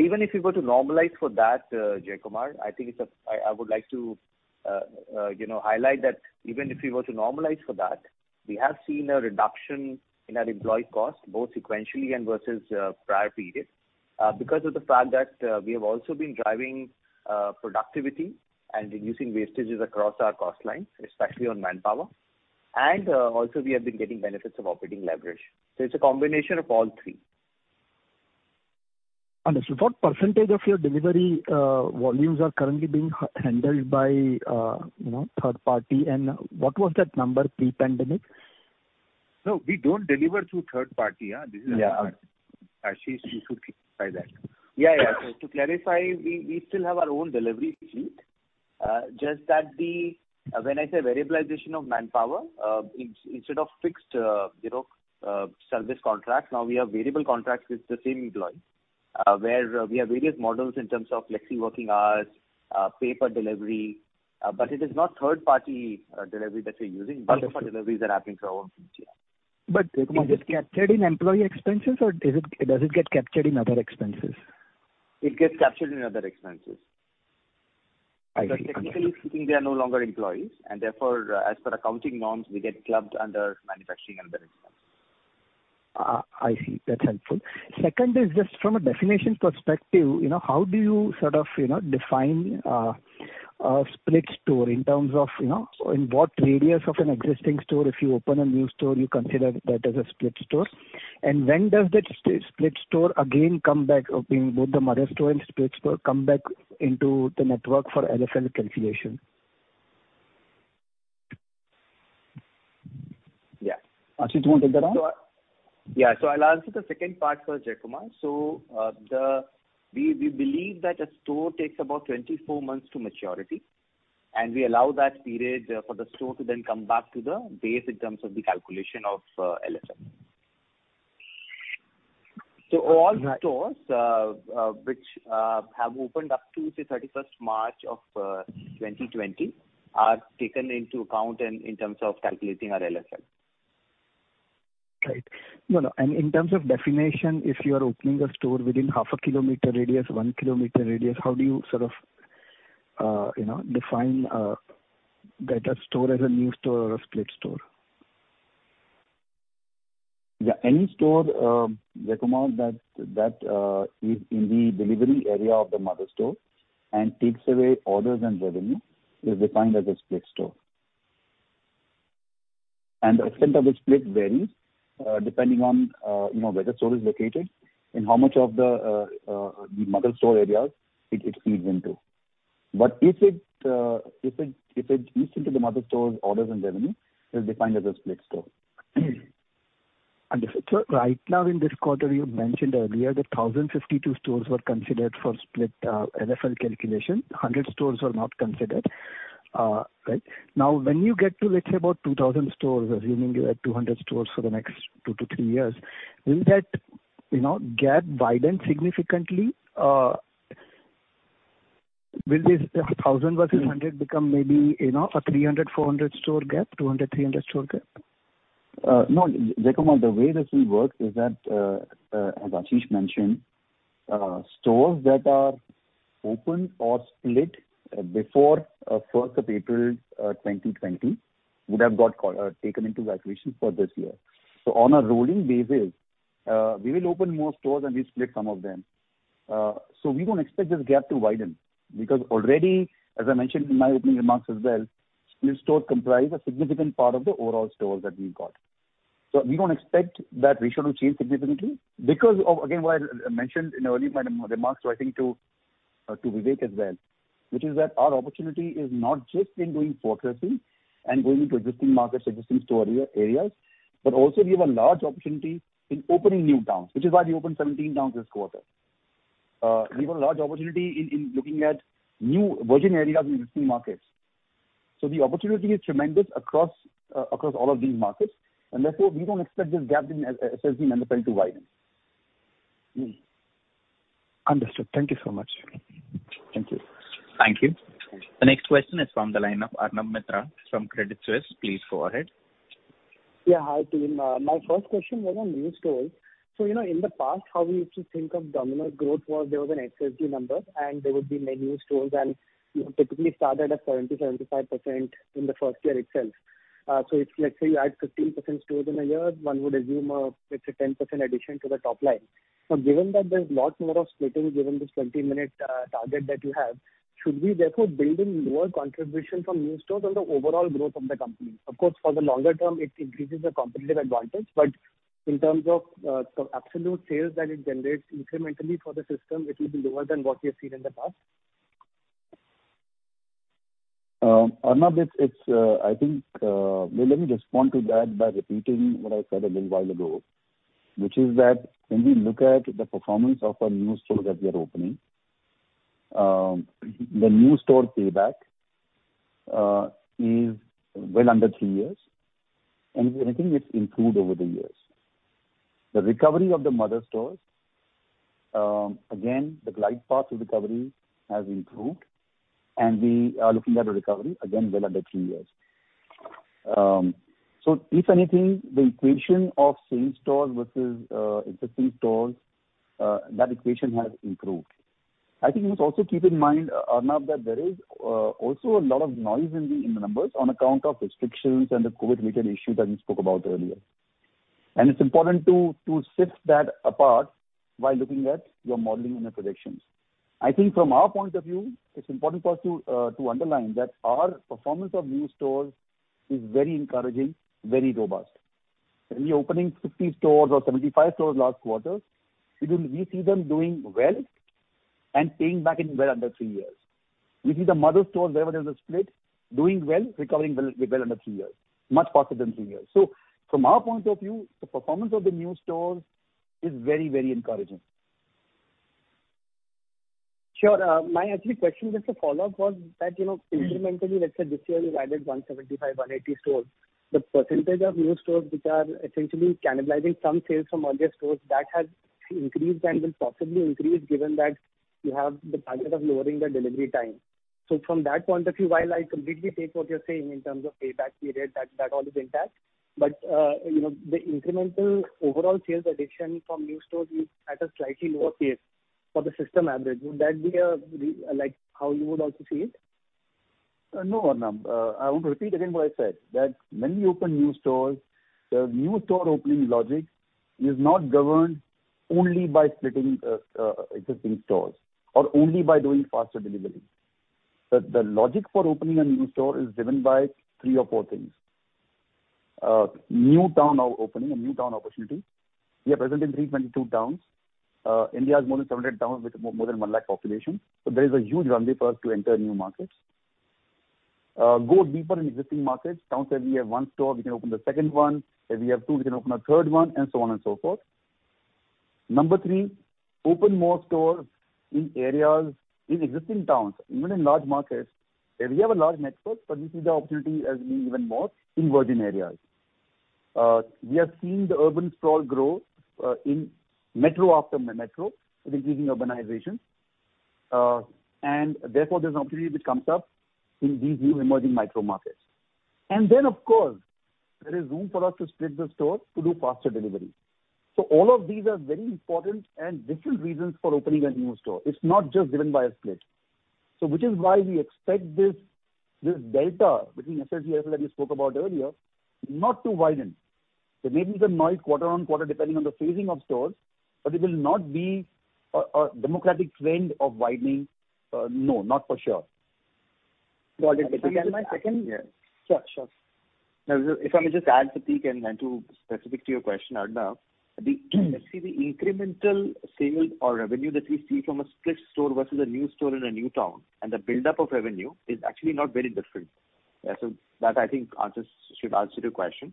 Even if you were to normalize for that, Jaykumar, I think I would like to, you know, highlight that even if we were to normalize for that, we have seen a reduction in our employee cost, both sequentially and versus prior periods because of the fact that we have also been driving productivity and reducing wastages across our cost lines, especially on manpower. Also we have been getting benefits of operating leverage. It's a combination of all three. Understood. What percentage of your delivery volumes are currently being handled by, you know, third party? And what was that number pre-pandemic? No, we don't deliver through third party. Yeah. Ashish, you should clarify that. Yeah, yeah. To clarify, we still have our own delivery fleet. Just that when I say variabilization of manpower, instead of fixed, you know, service contracts, now we have variable contracts with the same employees, where we have various models in terms of flexi working hours, pay per delivery. But it is not third-party delivery that we're using. Understood. Different deliveries are happening through our own fleet, yeah. Does it get captured in employee expenses or does it get captured in other expenses? It gets captured in other expenses. I see. Because technically speaking, they are no longer employees and therefore, as per accounting norms, we get clubbed under manufacturing and other expenses. I see. That's helpful. Second is just from a definition perspective, you know, how do you sort of, you know, define a split store in terms of, you know, in what radius of an existing store, if you open a new store, you consider that as a split store? When does that split store again come back, both the mother store and split store come back into the network for LFL calculation? Yeah. Ashish, you wanna take that one? Yeah. I'll answer the second part first, Jaykumar. We believe that a store takes about 24 months to maturity, and we allow that period for the store to then come back to the base in terms of the calculation of LFL. All stores which have opened up to, say, 31st March 2020 are taken into account in terms of calculating our LFL. Right. No, no, in terms of definition, if you are opening a store within half a kilometer radius, one kilometer radius, how do you sort of define that a store as a new store or a split store? Yeah. Any store, Jaykumar, that is in the delivery area of the mother store and takes away orders and revenue is defined as a split store. The extent of the split varies, depending on, you know, where the store is located and how much of the mother store areas it feeds into. If it leads into the mother store's orders and revenue, it's defined as a split store. Right now in this quarter, you mentioned earlier that 1,052 stores were considered for split LFL calculation. 100 stores were not considered, right? Now, when you get to, let's say, about 2,000 stores, assuming you add 200 stores for the next two to three years, will that gap widen significantly, you know? Will this 1,000 versus 100 become maybe, you know, a 300-400 store gap? 200-300 store gap? No. The way this will work is that, as Ashish mentioned, stores that are opened or split before first of April 2020 would have got taken into calculation for this year. On a rolling basis, we will open more stores and we split some of them. We don't expect this gap to widen because already, as I mentioned in my opening remarks as well, split stores comprise a significant part of the overall stores that we've got. We don't expect that ratio to change significantly because of, again, what I mentioned in my earlier remarks. I think to Vivek as well, which is that our opportunity is not just in doing fortressing and going into existing markets or existing store areas, but also we have a large opportunity in opening new towns, which is why we opened 17 towns this quarter. We have a large opportunity in looking at new virgin areas in existing markets. The opportunity is tremendous across all of these markets, and therefore we don't expect this gap in SSG and LFL to widen. Understood. Thank you so much. Thank you. Thank you. The next question is from the line of Arnab Mitra from Credit Suisse. Please go ahead. Yeah, hi team. My first question was on new stores. You know, in the past, how we used to think of Domino's growth was there was an SSG number, and there would be many new stores, and you typically started at 70%-75% in the first year itself. If let's say you add 15% stores in a year, one would assume it's a 10% addition to the top line. Given that there's lots more of splitting given this 20-minute target that you have, should we therefore build in lower contribution from new stores on the overall growth of the company? Of course, for the longer term it increases the competitive advantage, but in terms of absolute sales that it generates incrementally for the system, it will be lower than what we have seen in the past. Arnab, it's, I think. Well, let me respond to that by repeating what I said a little while ago, which is that when we look at the performance of a new store that we are opening, the new store payback is well under three years, and I think it's improved over the years. The recovery of the mother stores, again, the glide path to recovery has improved, and we are looking at a recovery again well under three years. If anything, the equation of same stores versus existing stores, that equation has improved. I think you must also keep in mind, Arnab, that there is also a lot of noise in the numbers on account of restrictions and the COVID-related issue that we spoke about earlier. It's important to sift that apart while looking at your modeling and your predictions. I think from our point of view, it's important for us to underline that our performance of new stores is very encouraging, very robust. When we were opening 60 stores or 75 stores last quarter, we see them doing well and paying back in well under three years. We see the mother stores wherever there's a split doing well, recovering well under three years, much faster than three years. From our point of view, the performance of the new stores is very, very encouraging. Sure. My actual question as a follow-up was that, you know- Mm-hmm. Incrementally, let's say this year you've added 175-180 stores. The percentage of new stores which are essentially cannibalizing some sales from earlier stores, that has increased and will possibly increase given that you have the target of lowering the delivery time. From that point of view, while I completely take what you're saying in terms of payback period, that all is intact, but you know, the incremental overall sales addition from new stores is at a slightly lower pace for the system average. Would that be right, like how you would also see it? No, Arnab. I would repeat again what I said, that when you open new stores, the new store opening logic is not governed only by splitting existing stores or only by doing faster delivery. The logic for opening a new store is driven by three or four things. New town opening, a new town opportunity. We are present in 322 towns. India has more than 700 towns with more than 100,000 population, so there is a huge runway for us to enter new markets. Go deeper in existing markets. Towns that we have one store, we can open the second one. If we have two, we can open a third one, and so on and so forth. Number three, open more stores in areas, in existing towns, even in large markets. We have a large network, but we see the opportunity as being even more in virgin areas. We have seen the urban sprawl grow in metro after metro with increasing urbanization. Therefore there's an opportunity which comes up in these new emerging micro markets. Then, of course, there is room for us to split the stores to do faster delivery. All of these are very important and different reasons for opening a new store. It's not just driven by a split. Which is why we expect this delta between SSG, LFL that we spoke about earlier, not to widen. There may be some noise quarter on quarter depending on the phasing of stores, but it will not be a dramatic trend of widening. No, not for sure. Got it. Yeah. Sure, sure. Now, if I may just add, Pratik, and, to be specific, to your question, Arnab, let's see the incremental sales or revenue that we see from a split store versus a new store in a new town, and the buildup of revenue is actually not very different. Yeah, so that I think should answer your question.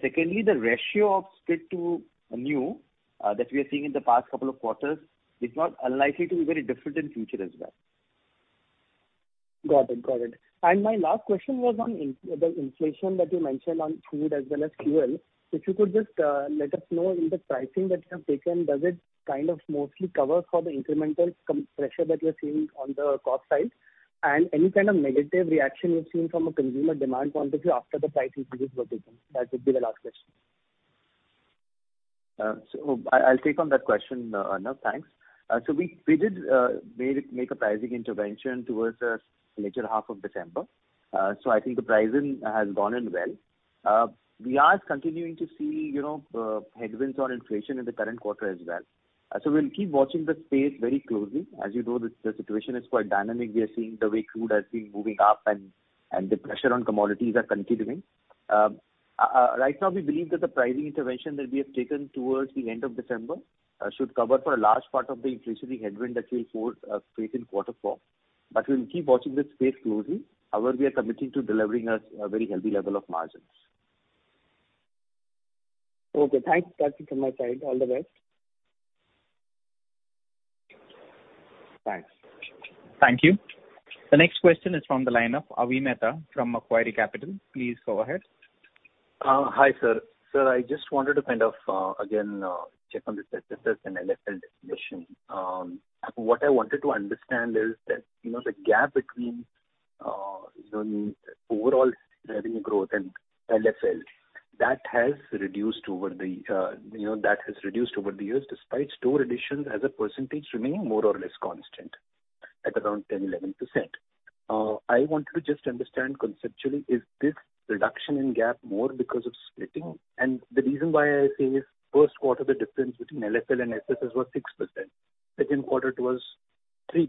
Secondly, the ratio of split to new that we are seeing in the past couple of quarters is not unlikely to be very different in future as well. Got it. My last question was on the inflation that you mentioned on food as well as fuel. If you could just let us know in the pricing that you have taken, does it kind of mostly cover for the incremental cost pressure that you're seeing on the cost side? Any kind of negative reaction you've seen from a consumer demand point of view after the price increase was taken? That would be the last question. I'll take on that question, Arnab, thanks. We did make a pricing intervention towards the latter half of December. I think the pricing has gone in well. We are continuing to see, you know, headwinds on inflation in the current quarter as well. We'll keep watching the space very closely. As you know, the situation is quite dynamic. We are seeing the way crude has been moving up and the pressure on commodities are continuing. Right now, we believe that the pricing intervention that we have taken towards the end of December should cover for a large part of the inflationary headwind that we'll face in quarter four. We'll keep watching this space closely. However, we are committing to delivering a very healthy level of margins. Okay, thanks. That's it from my side. All the best. Thanks. Thank you. The next question is from the line of Avi Mehta from Macquarie Capital. Please go ahead. Hi, sir. Sir, I just wanted to kind of again check on the SSG and LFL definition. What I wanted to understand is that, you know, the gap between, you know, overall revenue growth and LFL, that has reduced over the years, despite store additions as a percentage remaining more or less constant at around 10%, 11%. I wanted to just understand conceptually, is this reduction in gap more because of splitting? The reason why I say is first quarter, the difference between LFL and SSG was 6%. Second quarter, it was 3%.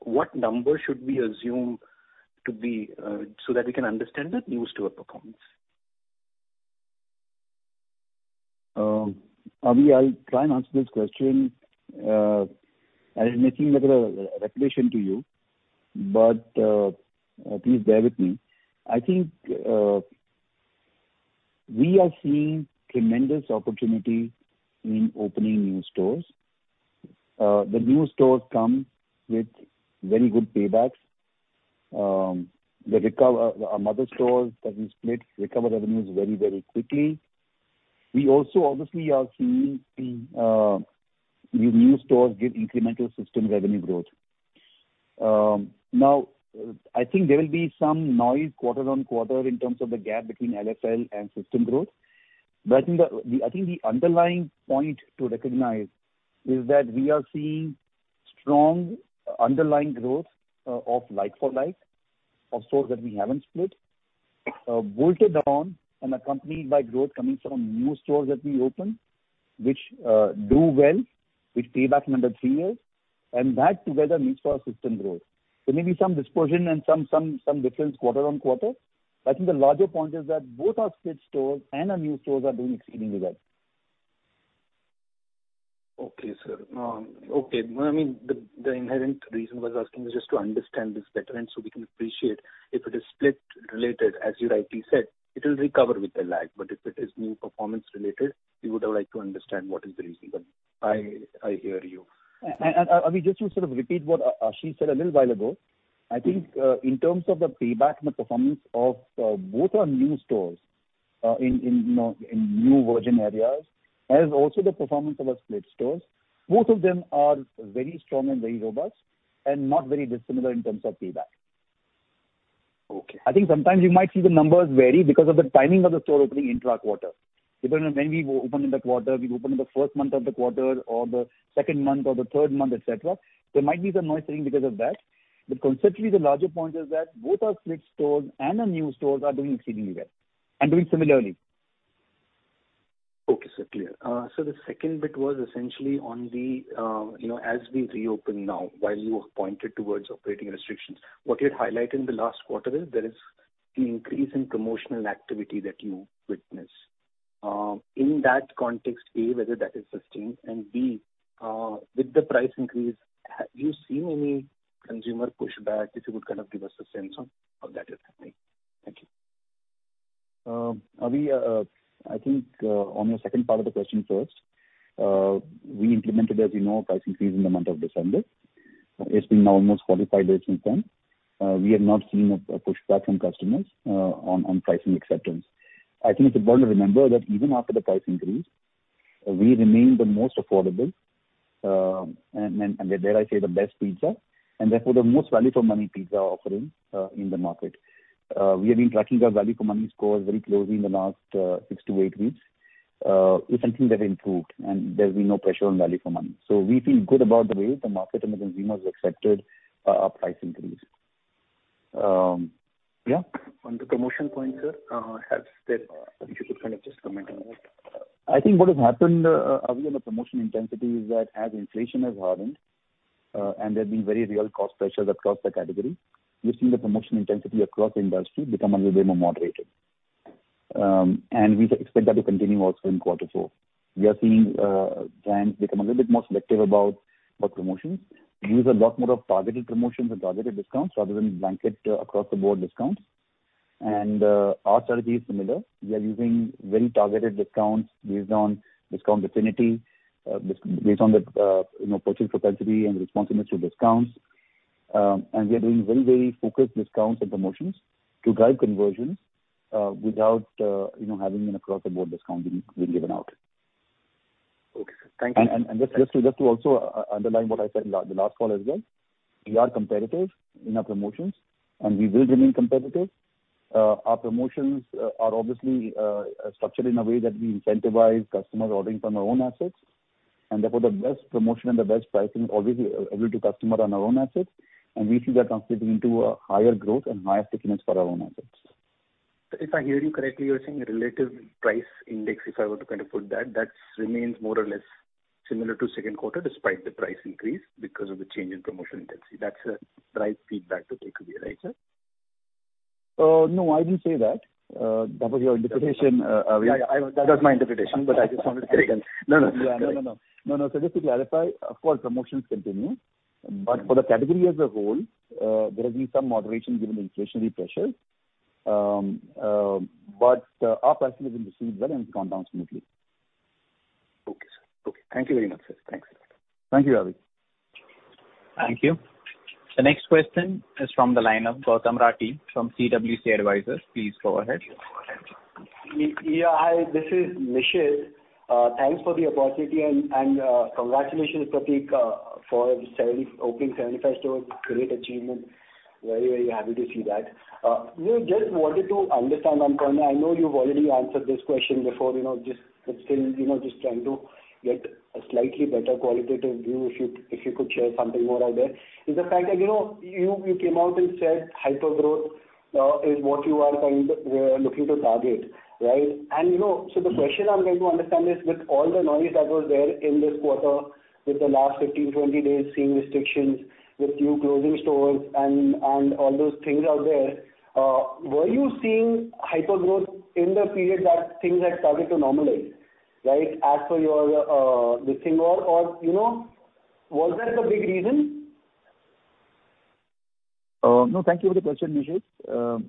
What number should we assume to be so that we can understand the new store performance? Avi, I'll try and answer this question. It may seem like a repetition to you, but please bear with me. I think we are seeing tremendous opportunity in opening new stores. The new stores come with very good paybacks. Our mature stores that we split recover revenues very, very quickly. We also obviously are seeing the new stores give incremental system revenue growth. Now, I think there will be some noise quarter-on-quarter in terms of the gap between LFL and system growth. I think the underlying point to recognize is that we are seeing strong underlying like-for-like growth of stores that we haven't split, bolted on and accompanied by growth coming from new stores that we open, which do well with payback in under three years, and that together leads to our system growth. There may be some dispersion and some difference quarter on quarter, but I think the larger point is that both our split stores and our new stores are doing exceedingly well. Okay, sir. Well, I mean, the inherent reason I was asking is just to understand this better, and so we can appreciate if it is split related, as you rightly said, it'll recover with a lag. If it is new performance related, we would have liked to understand what is the reason. I hear you. Avi, just to sort of repeat what Ashish said a little while ago, I think, in terms of the payback and the performance of both our new stores in, you know, in new virgin areas, as also the performance of our split stores, both of them are very strong and very robust and not very dissimilar in terms of payback. Okay. I think sometimes you might see the numbers vary because of the timing of the store opening intra quarter. Depending on when we open in that quarter, we open in the first month of the quarter or the second month or the third month, et cetera. There might be some noise coming because of that. Conceptually, the larger point is that both our split stores and our new stores are doing exceedingly well and doing similarly. Okay, sir. Clear. So the second bit was essentially on the, you know, as we reopen now, while you have pointed towards operating restrictions, what you had highlighted in the last quarter is there is the increase in promotional activity that you witness. In that context, A, whether that is sustained and B, with the price increase, have you seen any consumer pushback? If you could kind of give us a sense on how that is happening. Thank you. Avi, I think on your second part of the question first, we implemented, as you know, a price increase in the month of December. It's been now almost 45 days since then. We have not seen a pushback from customers on pricing acceptance. I think it's important to remember that even after the price increase, we remain the most affordable, and then, and dare I say, the best pizza, and therefore the most value for money pizza offering in the market. We have been tracking our value for money scores very closely in the last 6-8 weeks. We think they've improved and there's been no pressure on value for money. We feel good about the way the market and the consumers accepted our price increase. Yeah. On the promotion point, sir, you have said. If you could kind of just comment on that. I think what has happened, Avi, on the promotion intensity is that as inflation has hardened and there have been very real cost pressures across the category, we've seen the promotion intensity across industry become a little bit more moderated. We expect that to continue also in quarter four. We are seeing brands become a little bit more selective about promotions. We use a lot more of targeted promotions and targeted discounts rather than blanket across the board discounts. Our strategy is similar. We are using very targeted discounts based on discount affinity based on the you know purchase propensity and responsiveness to discounts. We are doing very focused discounts and promotions to drive conversions without you know having an across-the-board discount being given out. Okay. Thank you. Just to also underline what I said in the last call as well, we are competitive in our promotions, and we will remain competitive. Our promotions are obviously structured in a way that we incentivize customers ordering from our own assets, and therefore the best promotion and the best pricing is obviously available to customers on our own assets, and we see that translating into a higher growth and higher stickiness for our own assets. If I hear you correctly, you're saying the relative price index, if I were to kind of put that remains more or less similar to second quarter despite the price increase because of the change in promotion intensity. That's the right feedback to take away, right, sir? No, I didn't say that. That was your interpretation, Avi. Yeah. That was my interpretation, but I just wanted to confirm. No. Yeah. No. Just to clarify, of course promotions continue, but for the category as a whole, there has been some moderation given the inflationary pressures. Our pricing has been received well and it's gone down smoothly. Okay, sir. Okay. Thank you very much, sir. Thanks. Thank you, Avi. Thank you. The next question is from the line of Gautam Rathi from CWC Advisors. Please go ahead. Yeah. Hi, this is Nishit. Thanks for the opportunity and congratulations, Pratik, for opening 75 stores. Great achievement. Very happy to see that. We just wanted to understand one point. I know you've already answered this question before, you know, but still, you know, just trying to get a slightly better qualitative view if you could share something more out there. Is the fact that, you know, you came out and said hypergrowth is what you are kind of looking to target, right? You know, the question I'm trying to understand is with all the noise that was there in this quarter, with the last 15, 20 days seeing restrictions, with you closing stores and all those things out there, were you seeing hypergrowth in the period that things had started to normalize, right? As per your this thing or, you know, was that the big reason? No, thank you for the question, Nishit.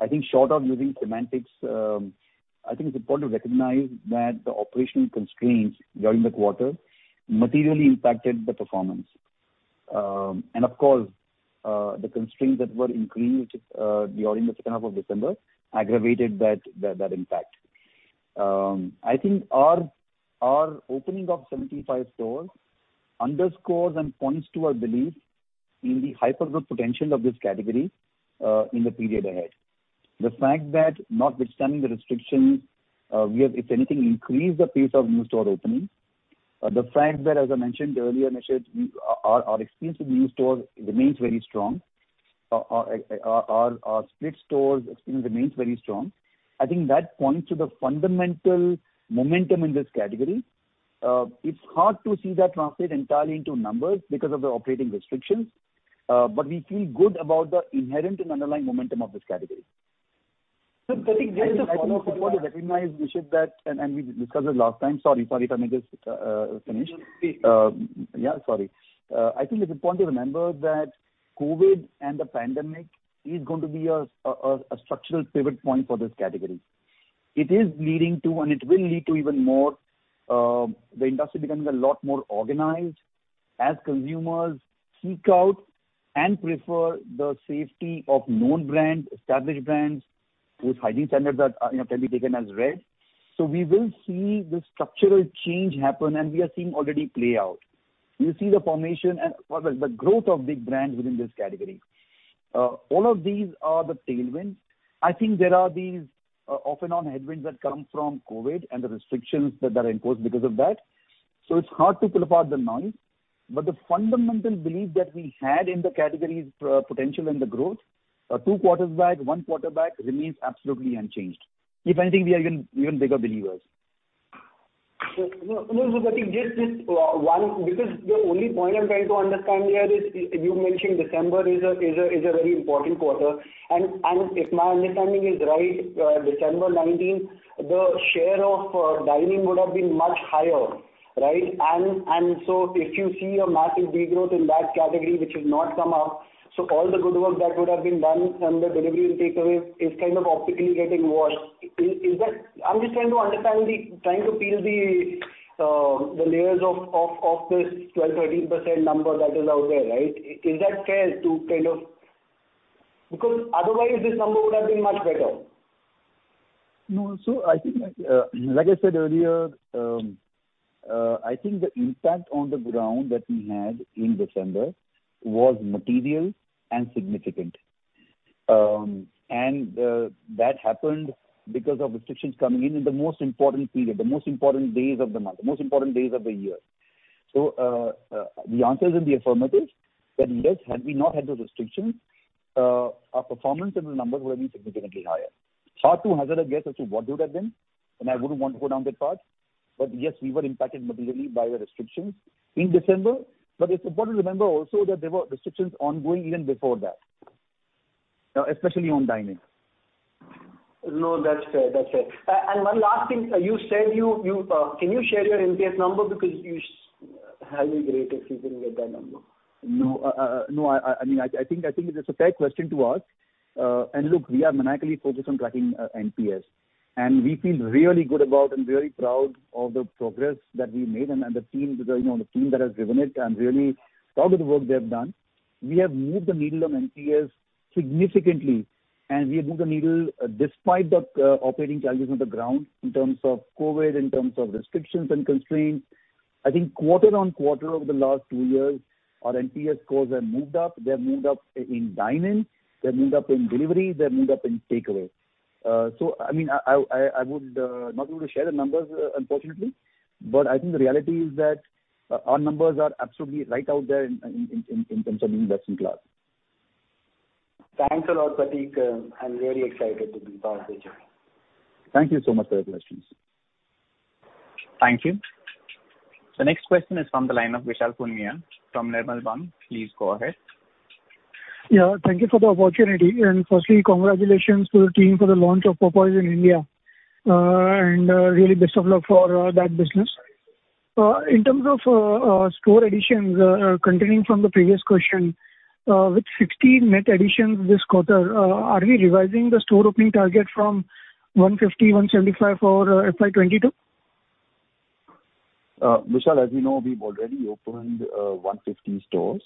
I think short of using semantics, I think it's important to recognize that the operational constraints during the quarter materially impacted the performance. Of course, the constraints that were increased during the second half of December aggravated that impact. I think our opening of 75 stores underscores and points to our belief in the hypergrowth potential of this category in the period ahead. The fact that notwithstanding the restrictions, we have, if anything, increased the pace of new store openings. The fact that, as I mentioned earlier, Nishit, our street stores experience remains very strong. I think that points to the fundamental momentum in this category. It's hard to see that translate entirely into numbers because of the operating restrictions, but we feel good about the inherent and underlying momentum of this category. Pratik, where is the I think it's important to recognize, Nishit, that and we discussed this last time. Sorry, if I may just finish. Please. Yeah, sorry. I think it's important to remember that COVID and the pandemic is going to be a structural pivot point for this category. It is leading to, and it will lead to even more, the industry becoming a lot more organized as consumers seek out and prefer the safety of known brands, established brands with hygiene standards that, you know, can be taken as read. We will see this structural change happen, and we are seeing already play out. We see the formation and, pardon, the growth of big brands within this category. All of these are the tailwinds. I think there are these, off and on headwinds that come from COVID and the restrictions that are imposed because of that. It's hard to pull apart the noise. The fundamental belief that we had in the category's potential and the growth two quarters back, one quarter back, remains absolutely unchanged. If anything, we are even bigger believers. Pratik, just one. Because the only point I'm trying to understand here is you mentioned December is a very important quarter. If my understanding is right, December 2019, the share of dining would have been much higher, right? If you see a massive de-growth in that category which has not come up, all the good work that would have been done from the delivery and takeaway is kind of optically getting washed. Is that? I'm just trying to understand, trying to peel the layers of this 12%-13% number that is out there, right? Is that fair? Because otherwise this number would have been much better. No. I think, like I said earlier, I think the impact on the ground that we had in December was material and significant. That happened because of restrictions coming in in the most important period, the most important days of the month, the most important days of the year. The answer is in the affirmative that yes, had we not had those restrictions, our performance and the numbers would have been significantly higher. It's hard to hazard a guess as to what would have been, and I wouldn't want to go down that path. Yes, we were impacted materially by the restrictions in December. It's important to remember also that there were restrictions ongoing even before that, especially on dine-in. No, that's fair. That's fair. One last thing. Can you share your NPS number because you highly rate if you can get that number? No. I mean, I think it's a fair question to ask. Look, we are maniacally focused on tracking NPS, and we feel really good about and very proud of the progress that we made and the team, you know, the team that has driven it. I'm really proud of the work they have done. We have moved the needle on NPS significantly, and we have moved the needle despite the operating challenges on the ground in terms of COVID, in terms of restrictions and constraints. I think quarter on quarter over the last two years, our NPS scores have moved up. They have moved up in dine-in, they've moved up in delivery, they've moved up in takeaway. I mean, I would not be able to share the numbers, unfortunately, but I think the reality is that our numbers are absolutely right out there in terms of being best in class. Thanks a lot, Pratik. I'm very excited to be part of the journey. Thank you so much for your questions. Thank you. The next question is from the line of Vishal Punmiya from Nirmal Bang. Please go ahead. Yeah. Thank you for the opportunity and firstly congratulations to the team for the launch of Popeyes in India. Really best of luck for that business. In terms of store additions, continuing from the previous question, with 16 net additions this quarter, are we revising the store opening target from 150-175 for FY 2022? Vishal, as you know, we've already opened 150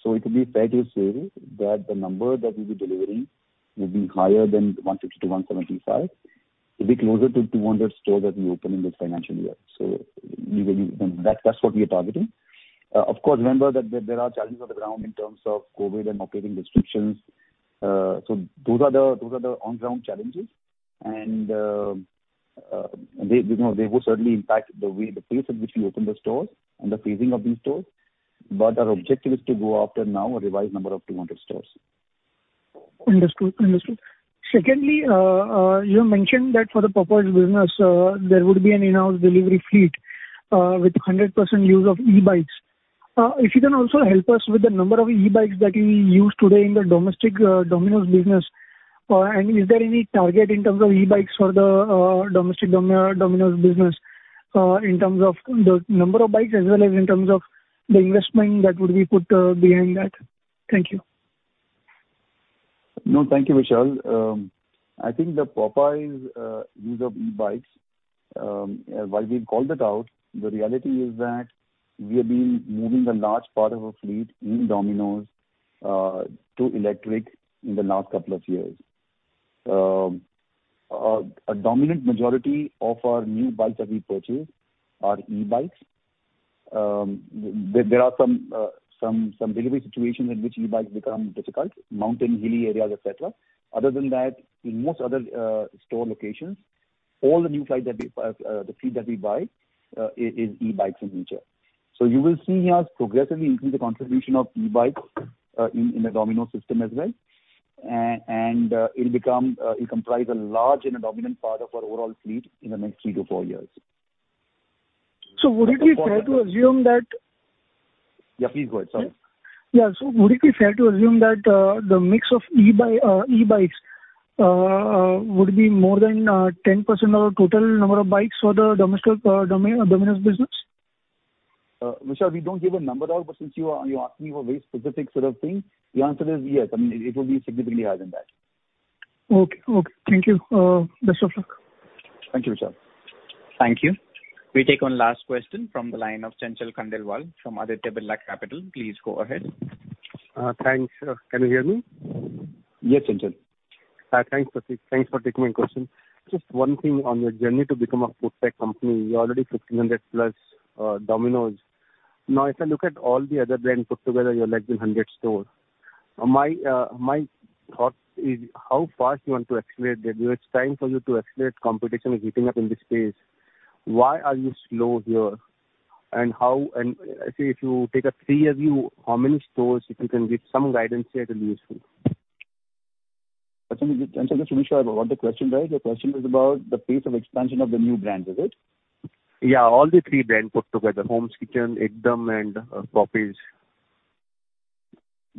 stores. It will be fair to say that the number that we'll be delivering will be higher than 150-175. It'll be closer to 200 stores that we open in this financial year. That is what we are targeting. Of course, remember that there are challenges on the ground in terms of COVID and operating restrictions. Those are the on-ground challenges and they, you know, they will certainly impact the way, the pace at which we open the stores and the phasing of these stores. Our objective is to go after now a revised number of 200 stores. Understood. Secondly, you mentioned that for the Popeyes business, there would be an in-house delivery fleet with 100% use of e-bikes. If you can also help us with the number of e-bikes that you use today in the domestic Domino's business? Is there any target in terms of e-bikes for the domestic Domino's business in terms of the number of bikes as well as in terms of the investment that would be put behind that? Thank you. No, thank you, Vishal. I think the Popeyes use of e-bikes, while we call that out, the reality is that we have been moving a large part of our fleet in Domino's to electric in the last couple of years. A dominant majority of our new bikes that we purchase are e-bikes. There are some delivery situations in which e-bikes become difficult, mountain, hilly areas, et cetera. Other than that, in most other store locations, all the new fleet that we buy is e-bikes in nature. You will see us progressively increase the contribution of e-bikes in the Domino's system as well. It'll become it comprise a large and a dominant part of our overall fleet in the next three to four years. Would it be fair to assume that? Yeah, please go ahead. Sorry. Yeah. Would it be fair to assume that the mix of e-bikes would be more than 10% of the total number of bikes for the domestic Domino's business? Vishal, we don't give a number out, but since you're asking me a very specific sort of thing, the answer is yes. I mean, it will be significantly higher than that. Okay. Thank you. Best of luck. Thank you, Vishal. Thank you. We take one last question from the line of Chanchal Khandelwal from Aditya Birla Capital. Please go ahead. Thanks. Can you hear me? Yes, Chanchal. Thanks, Pratik. Thanks for taking my question. Just one thing on your journey to become a food tech company. You're already 1,500+ Domino's. Now, if I look at all the other brands put together, you're like in 100 stores. My thought is how fast you want to accelerate that? Because it's time for you to accelerate. Competition is heating up in this space. Why are you slow here? And, say, if you take a three-year view, how many stores, if you can give some guidance here, it'll be useful. Chanchal, just to be sure about what the question is. Your question is about the pace of expansion of the new brands, is it? Yeah, all the three brands put together. Hong's Kitchen, Ekdum! and Popeyes.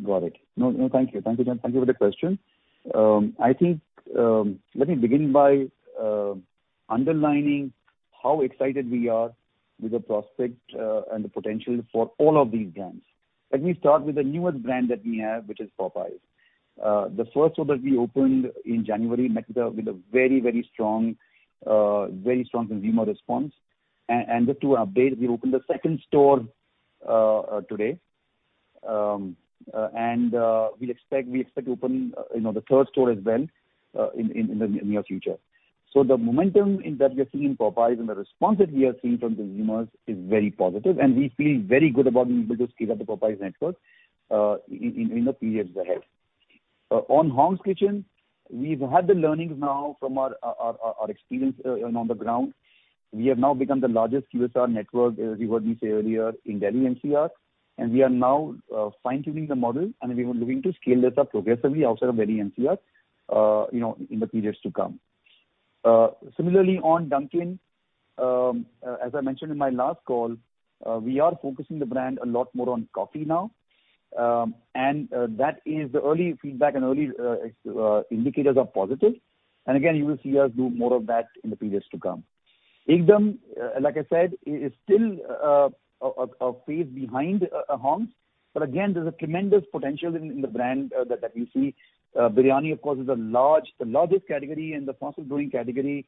Got it. No. Thank you for the question. I think, let me begin by underlining how excited we are with the prospect and the potential for all of these brands. Let me start with the newest brand that we have, which is Popeyes. The first store that we opened in January met with a very strong consumer response. And just to update, we opened a second store today. And we expect to open, you know, the third store as well in the near future. The momentum that we are seeing in Popeyes and the response that we are seeing from consumers is very positive, and we feel very good about being able to scale up the Popeyes network in the few years ahead. On Hong's Kitchen, we've had the learnings now from our experience on the ground. We have now become the largest QSR network, as you heard me say earlier, in Delhi NCR. We are now fine-tuning the model, and we were looking to scale this up progressively outside of Delhi NCR, you know, in the periods to come. Similarly on Dunkin', as I mentioned in my last call, we are focusing the brand a lot more on coffee now. That is the early feedback and early indicators are positive. Again, you will see us do more of that in the periods to come. Ekdum!, like I said, is still a phase behind Hong's. Again, there's a tremendous potential in the brand that we see. Biryani of course is a large, the largest category and the fastest growing category.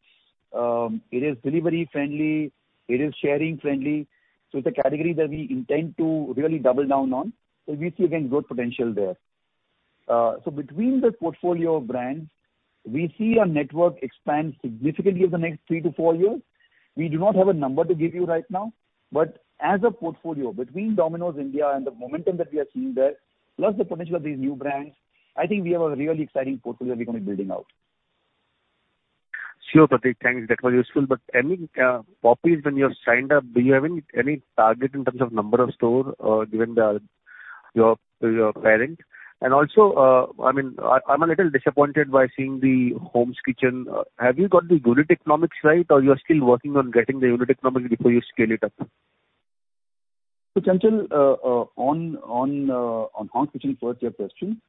It is delivery friendly, it is sharing friendly, so it's a category that we intend to really double down on. We see, again, good potential there. Between the portfolio of brands, we see our network expand significantly over the next three to four years. We do not have a number to give you right now, but as a portfolio between Domino's India and the momentum that we are seeing there, plus the potential of these new brands, I think we have a really exciting portfolio we're gonna be building out. Sure, Pratik. Thanks. That was useful. Any Popeyes when you have signed up, do you have any target in terms of number of store, given your parent? Also, I mean, I'm a little disappointed by seeing the Hong's Kitchen. Have you got the unit economics right, or you are still working on getting the unit economics before you scale it up? Chanchal, on Hong's Kitchen, first your question.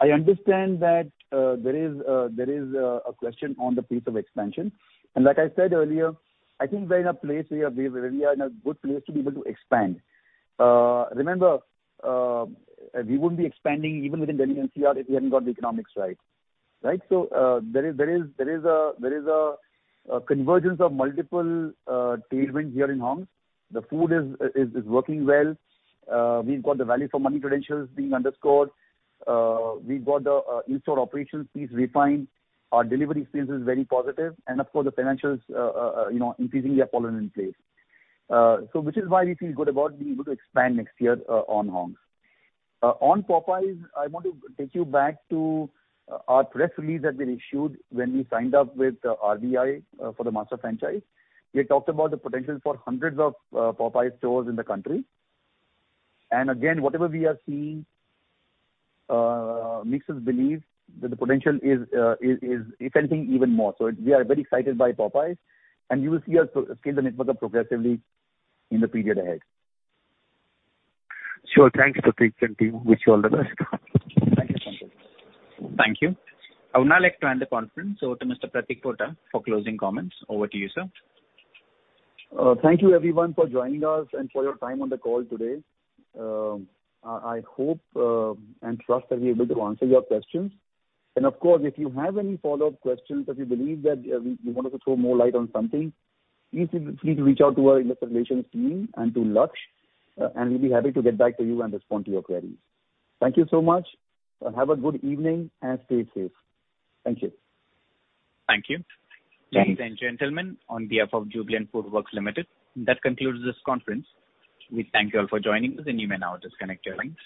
I understand that there is a convergence of multiple tailwinds here in Hong's. The food is working well. We've got the value for money credentials being underscored. We've got the in-store operations piece refined. Our delivery experience is very positive, and of course, the financials, you know, increasingly are falling in place. which is why we feel good about being able to expand next year on Hong's. On Popeyes, I want to take you back to our press release that we'd issued when we signed up with the RBI for the master franchise. We had talked about the potential for hundreds of Popeyes stores in the country. Whatever we are seeing makes us believe that the potential is something even more. We are very excited by Popeyes, and you will see us scale the network up progressively in the period ahead. Sure. Thanks, Pratik. We wish you all the best. Thank you, Chanchal. Thank you. I would now like to hand the conference over to Mr. Pratik Pota for closing comments. Over to you, sir. Thank you everyone for joining us and for your time on the call today. I hope and trust that we're able to answer your questions. Of course, if you have any follow-up questions that you believe that we wanted to throw more light on something, please feel free to reach out to our investor relations team and to Laksh. We'll be happy to get back to you and respond to your queries. Thank you so much. Have a good evening and stay safe. Thank you. Thank you. Thanks. Ladies and gentlemen, on behalf of Jubilant FoodWorks Limited, that concludes this conference. We thank you all for joining us, and you may now disconnect your lines.